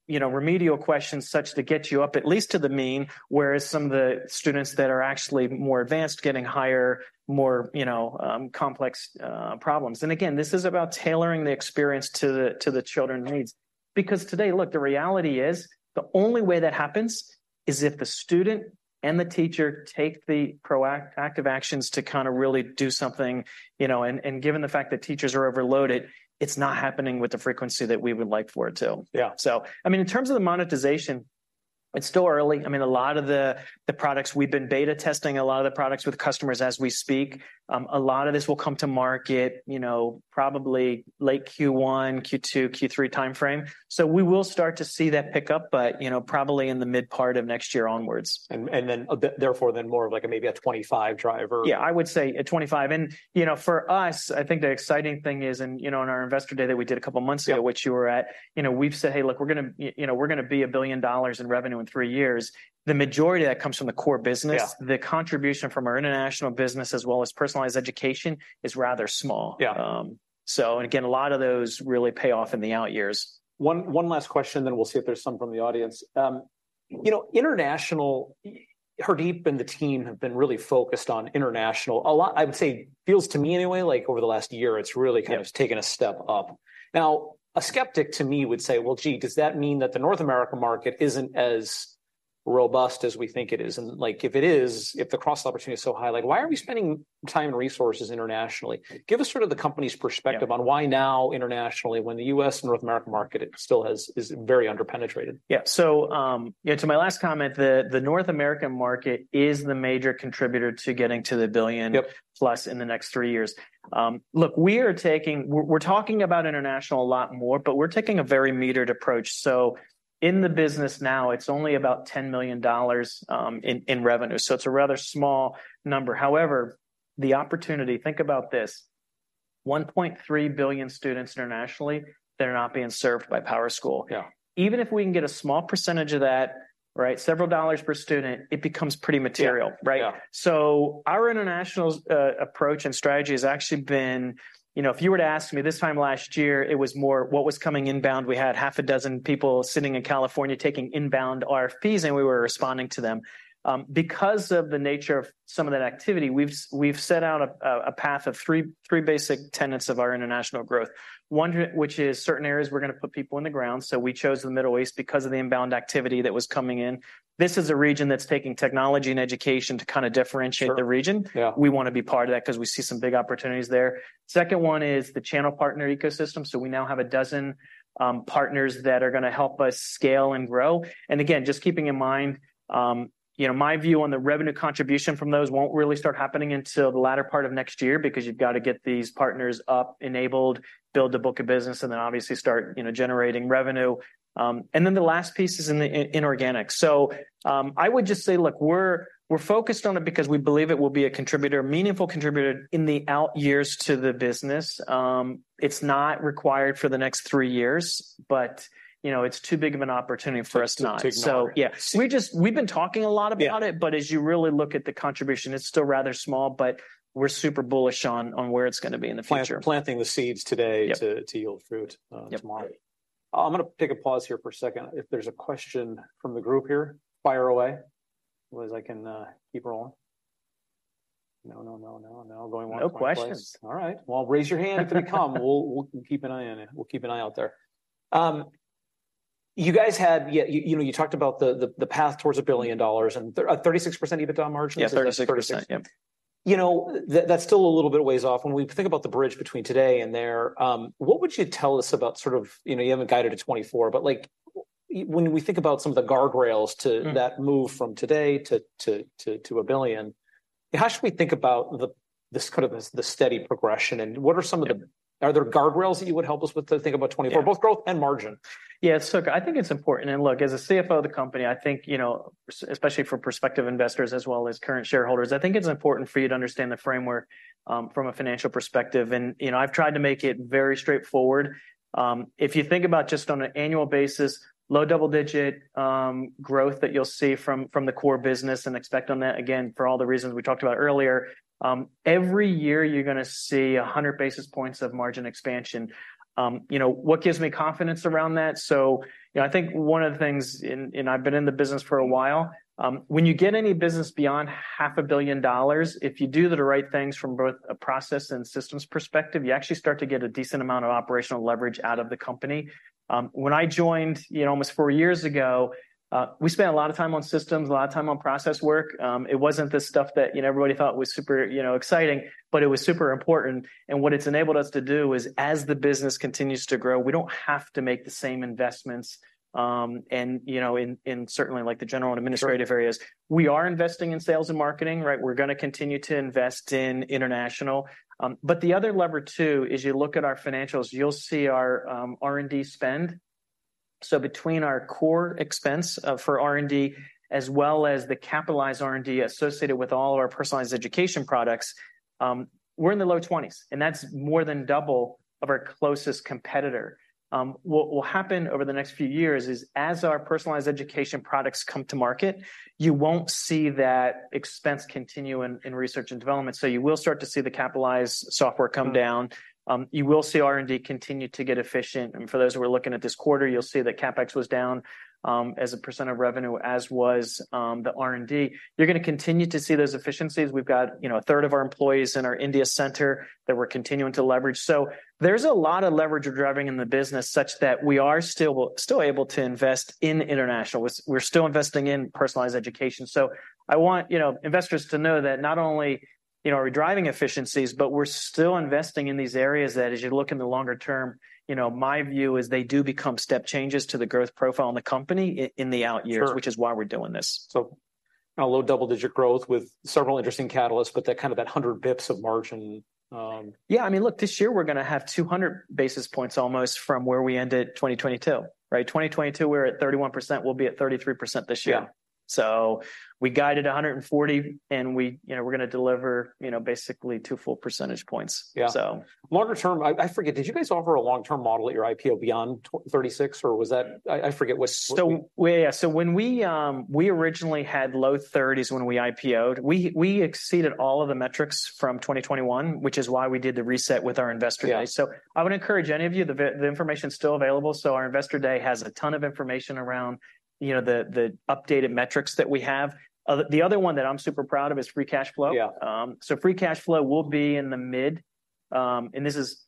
know, remedial questions, such to get you up at least to the mean, whereas some of the students that are actually more advanced, getting higher, more, you know, complex problems? And again, this is about tailoring the experience to the, to the children needs. Because today, look, the reality is, the only way that happens is if the student and the teacher take the proactive actions to kinda really do something, you know? And given the fact that teachers are overloaded, it's not happening with the frequency that we would like for it to. Yeah. So, I mean, in terms of the monetization, it's still early. I mean, a lot of the, the products, we've been beta testing a lot of the products with customers as we speak. A lot of this will come to market, you know, probably late Q1, Q2, Q3 timeframe. So we will start to see that pick-up but, you know, probably in the mid-part of next year onwards. And then, therefore, then more of, like, a maybe a 2025 driver? Yeah, I would say a 2025. And, you know, for us, I think the exciting thing is, and, you know, in our Investor Day that we did a couple of months ago- Yeah... which you were at, you know, we've said, "Hey, look, we're gonna, you know, be $1 billion in revenue in three years." The majority of that comes from the core business. Yeah. The contribution from our international business as well as personalized education is rather small. Yeah. So and again, a lot of those really pay off in the out years. One last question, then we'll see if there's some from the audience. You know, international, Hardeep and the team have been really focused on international a lot. I would say, feels to me anyway, like, over the last year- Yeah... it's really kind of taken a step up. Now, a skeptic to me would say, "Well, gee, does that mean that the North America market isn't as robust as we think it is? And, like, if it is, if the cross-sell opportunity is so high, like, why are we spending time and resources internationally? Give us sort of the company's perspective- Yeah... on why now internationally, when the U.S. and North American market, it still has, is very under-penetrated. Yeah, so, yeah, to my last comment, the North American market is the major contributor to getting to the billion- Yep - plus in the next three years. Look, we are taking... We're talking about international a lot more, but we're taking a very measured approach. So in the business now, it's only about $10 million in revenue, so it's a rather small number. However, the opportunity, think about this, 1.3 billion students internationally that are not being served by PowerSchool. Yeah. Even if we can get a small percentage of that, right, several dollars per student, it becomes pretty material- Yeah. Right? Yeah. So our international approach and strategy has actually been... You know, if you were to ask me this time last year, it was more what was coming inbound. We had half a dozen people sitting in California taking inbound RFPs, and we were responding to them. Because of the nature of some of that activity, we've set out a path of three basic tenets of our international growth. One which is certain areas we're gonna put people on the ground, so we chose the Middle East because of the inbound activity that was coming in. This is a region that's taking technology and education to kinda differentiate- Sure... the region. Yeah. We wanna be part of that 'cause we see some big opportunities there. Second one is the channel partner ecosystem, so we now have a dozen partners that are gonna help us scale and grow. And again, just keeping in mind, you know, my view on the revenue contribution from those won't really start happening until the latter part of next year because you've gotta get these partners up, enabled, build the book of business, and then obviously start, you know, generating revenue. And then the last piece is in the inorganic. So, I would just say, look, we're focused on it because we believe it will be a contributor, meaningful contributor in the out years to the business. It's not required for the next three years, but, you know, it's too big of an opportunity for us to not- To ignore. Yeah, we've just... We've been talking a lot about it- Yeah... but as you really look at the contribution, it's still rather small, but we're super bullish on where it's gonna be in the future. planting the seeds today- Yep... to yield fruit tomorrow. Yep. I'm gonna take a pause here for a second. If there's a question from the group here, fire away. Otherwise, I can keep rolling. No, no, no, no, no, going once- No questions... going twice. All right, well, raise your hand if they come. We'll, we'll keep an eye on it. We'll keep an eye out there. You guys had, you know, you talked about the, the, the path towards $1 billion, and a 36% EBITDA margin? Yeah, 36%. Thirty-six. Yep. You know, that's still a little bit of ways off. When we think about the bridge between today and there, what would you tell us about sort of... You know, you have it guided to 2024, but, like, when we think about some of the guardrails to- Mm... that move from today to 1 billion, how should we think about this kind of as the steady progression, and what are some of the- Yep... Are there guardrails that you would help us with to think about 2024? Yeah. Both growth and margin. Yeah, so I think it's important, and look, as a CFO of the company, I think, you know, especially for prospective investors, as well as current shareholders, I think it's important for you to understand the framework from a financial perspective. And, you know, I've tried to make it very straightforward. If you think about just on an annual basis, low double-digit growth that you'll see from the core business, and expect on that, again, for all the reasons we talked about earlier, every year you're gonna see 100 basis points of margin expansion. You know, what gives me confidence around that? So, you know, I think one of the things, and I've been in the business for a while, when you get any business beyond $500 million, if you do the right things from both a process and systems perspective, you actually start to get a decent amount of operational leverage out of the company. When I joined, you know, almost four years ago, we spent a lot of time on systems, a lot of time on process work. It wasn't the stuff that, you know, everybody thought was super, you know, exciting, but it was super important, and what it's enabled us to do is, as the business continues to grow, we don't have to make the same investments, and, you know, in, in certainly, like, the general- Sure... and administrative areas. We are investing in sales and marketing, right? We're gonna continue to invest in international. But the other lever, too, is you look at our financials, you'll see our R&D spend. So between our core expense for R&D, as well as the capitalized R&D associated with all of our personalized education products, we're in the low 20s, and that's more than double of our closest competitor. What will happen over the next few years is, as our personalized education products come to market, you won't see that expense continue in research and development. So you will start to see the capitalized software come down. Mm. You will see R&D continue to get efficient, and for those who are looking at this quarter, you'll see that CapEx was down as a percent of revenue, as was the R&D. You're gonna continue to see those efficiencies. We've got, you know, a third of our employees in our India center that we're continuing to leverage. So there's a lot of leverage we're driving in the business such that we are still able to invest in international. We're still investing in personalized education. So I want, you know, investors to know that not only, you know, are we driving efficiencies, but we're still investing in these areas that, as you look in the longer term, you know, my view is they do become step changes to the growth profile in the company in the out years- Sure... which is why we're doing this. So a low double-digit growth with several interesting catalysts, but that kind of 100 basis points of margin, Yeah, I mean, look, this year we're gonna have 200 basis points almost from where we ended 2022, right? 2022, we were at 31%; we'll be at 33% this year. Yeah. So we guided 140, and we, you know, we're gonna deliver, you know, basically 2 full percentage points. Yeah. So... Longer term, I forget, did you guys offer a long-term model at your IPO beyond 20-36, or was that... I forget. Was the- So, when we originally had low 30s when we IPO'd. We exceeded all of the metrics from 2021, which is why we did the reset with our Investor Day. Yeah. So I would encourage any of you, the information's still available, so our Investor Day has a ton of information around, you know, the updated metrics that we have. The other one that I'm super proud of is free cash flow. Yeah. So free cash flow will be in the mid, and this is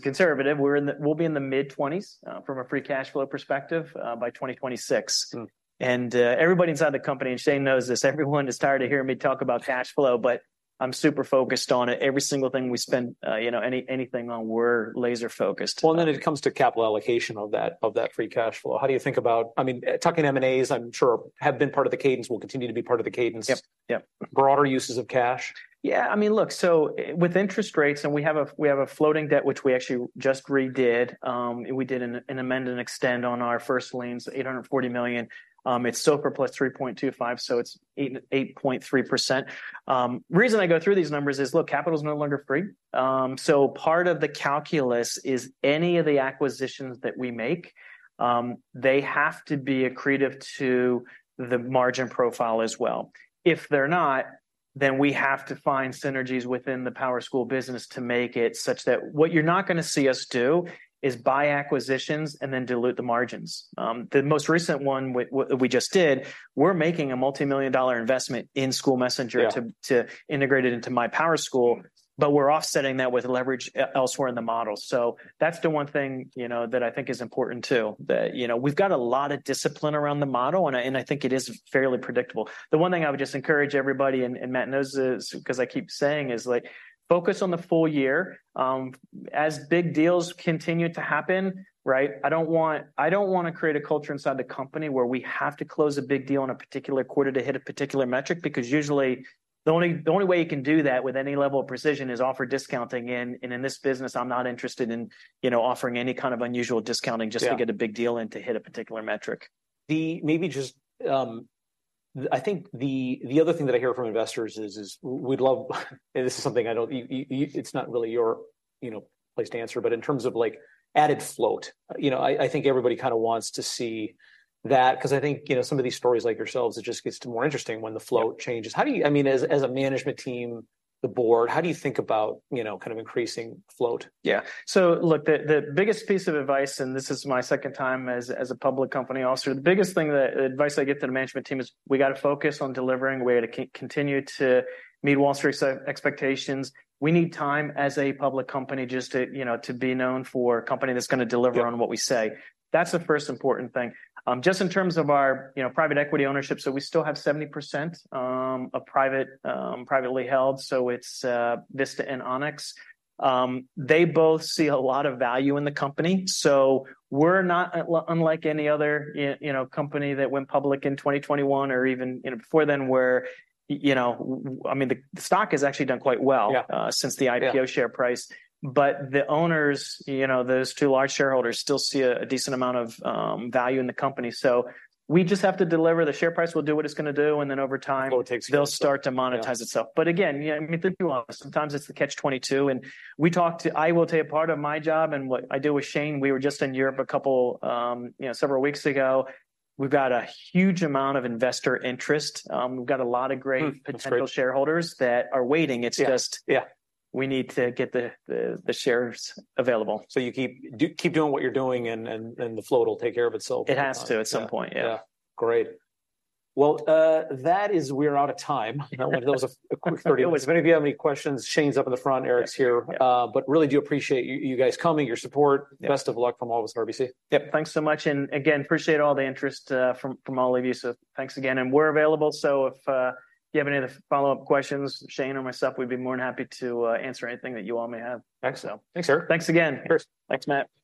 conservative. We'll be in the mid-20s, from a free cash flow perspective, by 2026. Mm. Everybody inside the company, and Shane knows this, everyone is tired of hearing me talk about cash flow, but I'm super focused on it. Every single thing we spend, you know, anything on, we're laser focused. Well, then it comes to capital allocation of that, of that free cash flow. How do you think about... I mean, tuck-in M&As, I'm sure have been part of the cadence, will continue to be part of the cadence. Yep, yep. Broader uses of cash? Yeah, I mean, look, so with interest rates, and we have a floating debt, which we actually just redid, we did an amend and extend on our first liens, $840 million. It's SOFR plus 3.25, so it's 8.3%. Reason I go through these numbers is, look, capital's no longer free. So part of the calculus is any of the acquisitions that we make, they have to be accretive to the margin profile as well. If they're not, then we have to find synergies within the PowerSchool business to make it such that what you're not gonna see us do is buy acquisitions and then dilute the margins. The most recent one, which we just did, we're making a multimillion-dollar investment in SchoolMessenger- Yeah... to integrate it into MyPowerSchool, but we're offsetting that with leverage elsewhere in the model. So that's the one thing, you know, that I think is important, too. That, you know, we've got a lot of discipline around the model, and I think it is fairly predictable. The one thing I would just encourage everybody, and Matt knows this 'cause I keep saying, is like, focus on the full year. As big deals continue to happen, right, I don't want, I don't wanna create a culture inside the company where we have to close a big deal in a particular quarter to hit a particular metric, because usually, the only way you can do that with any level of precision is offer discounting. And in this business, I'm not interested in, you know, offering any kind of unusual discounting- Yeah... just to get a big deal in to hit a particular metric. The, I think the, the other thing that I hear from investors is, we'd love, and this is something I don't, you know it's not really your, you know, place to answer, but in terms of, like, added float, you know, I think everybody kinda wants to see that. 'Cause I think, you know, some of these stories like yourselves, it just gets more interesting when the float changes. Yeah. How do you—I mean, as a management team, the board, how do you think about, you know, kind of increasing float? Yeah. So look, the biggest piece of advice, and this is my second time as a public company officer, the biggest thing, advice I give to the management team is, we gotta focus on delivering. We're gonna continue to meet Wall Street's expectations. We need time as a public company just to, you know, to be known for a company that's gonna deliver- Yeah... on what we say. That's the first important thing. Just in terms of our, you know, private equity ownership, so we still have 70% of private, privately held, so it's Vista and Onex. They both see a lot of value in the company, so we're not unlike any other, you know, company that went public in 2021 or even, you know, before then, where you know... I mean, the stock has actually done quite well- Yeah... since the IPO share price. Yeah. But the owners, you know, those two large shareholders, still see a decent amount of value in the company. So we just have to deliver. The share price will do what it's gonna do, and then over time- Well, it takes-... they'll start to monetize itself. Yeah. But again, yeah, I mean, the deal is, sometimes it's the catch-22, and we talked to... I will tell you, part of my job and what I do with Shane, we were just in Europe a couple, you know, several weeks ago. We've got a huge amount of investor interest. We've got a lot of great- Mm, that's great.... potential shareholders that are waiting. Yeah. It's just- Yeah... we need to get the shares available. So you keep doing what you're doing, and the float will take care of itself. It has to at some point. Yeah. Yeah. Great. Well, we're out of time. You know, and that was a quick 30 minutes. If any of you have any questions, Shane's up in the front, Eric's here. Yeah. But really do appreciate you, you guys coming, your support. Yeah. Best of luck from all of us at RBC. Yep, thanks so much, and again, appreciate all the interest from all of you. So thanks again. And we're available, so if you have any other follow-up questions, Shane or myself, we'd be more than happy to answer anything that you all may have. Excellent. Thanks, sir. Thanks again. Sure. Thanks, Matt.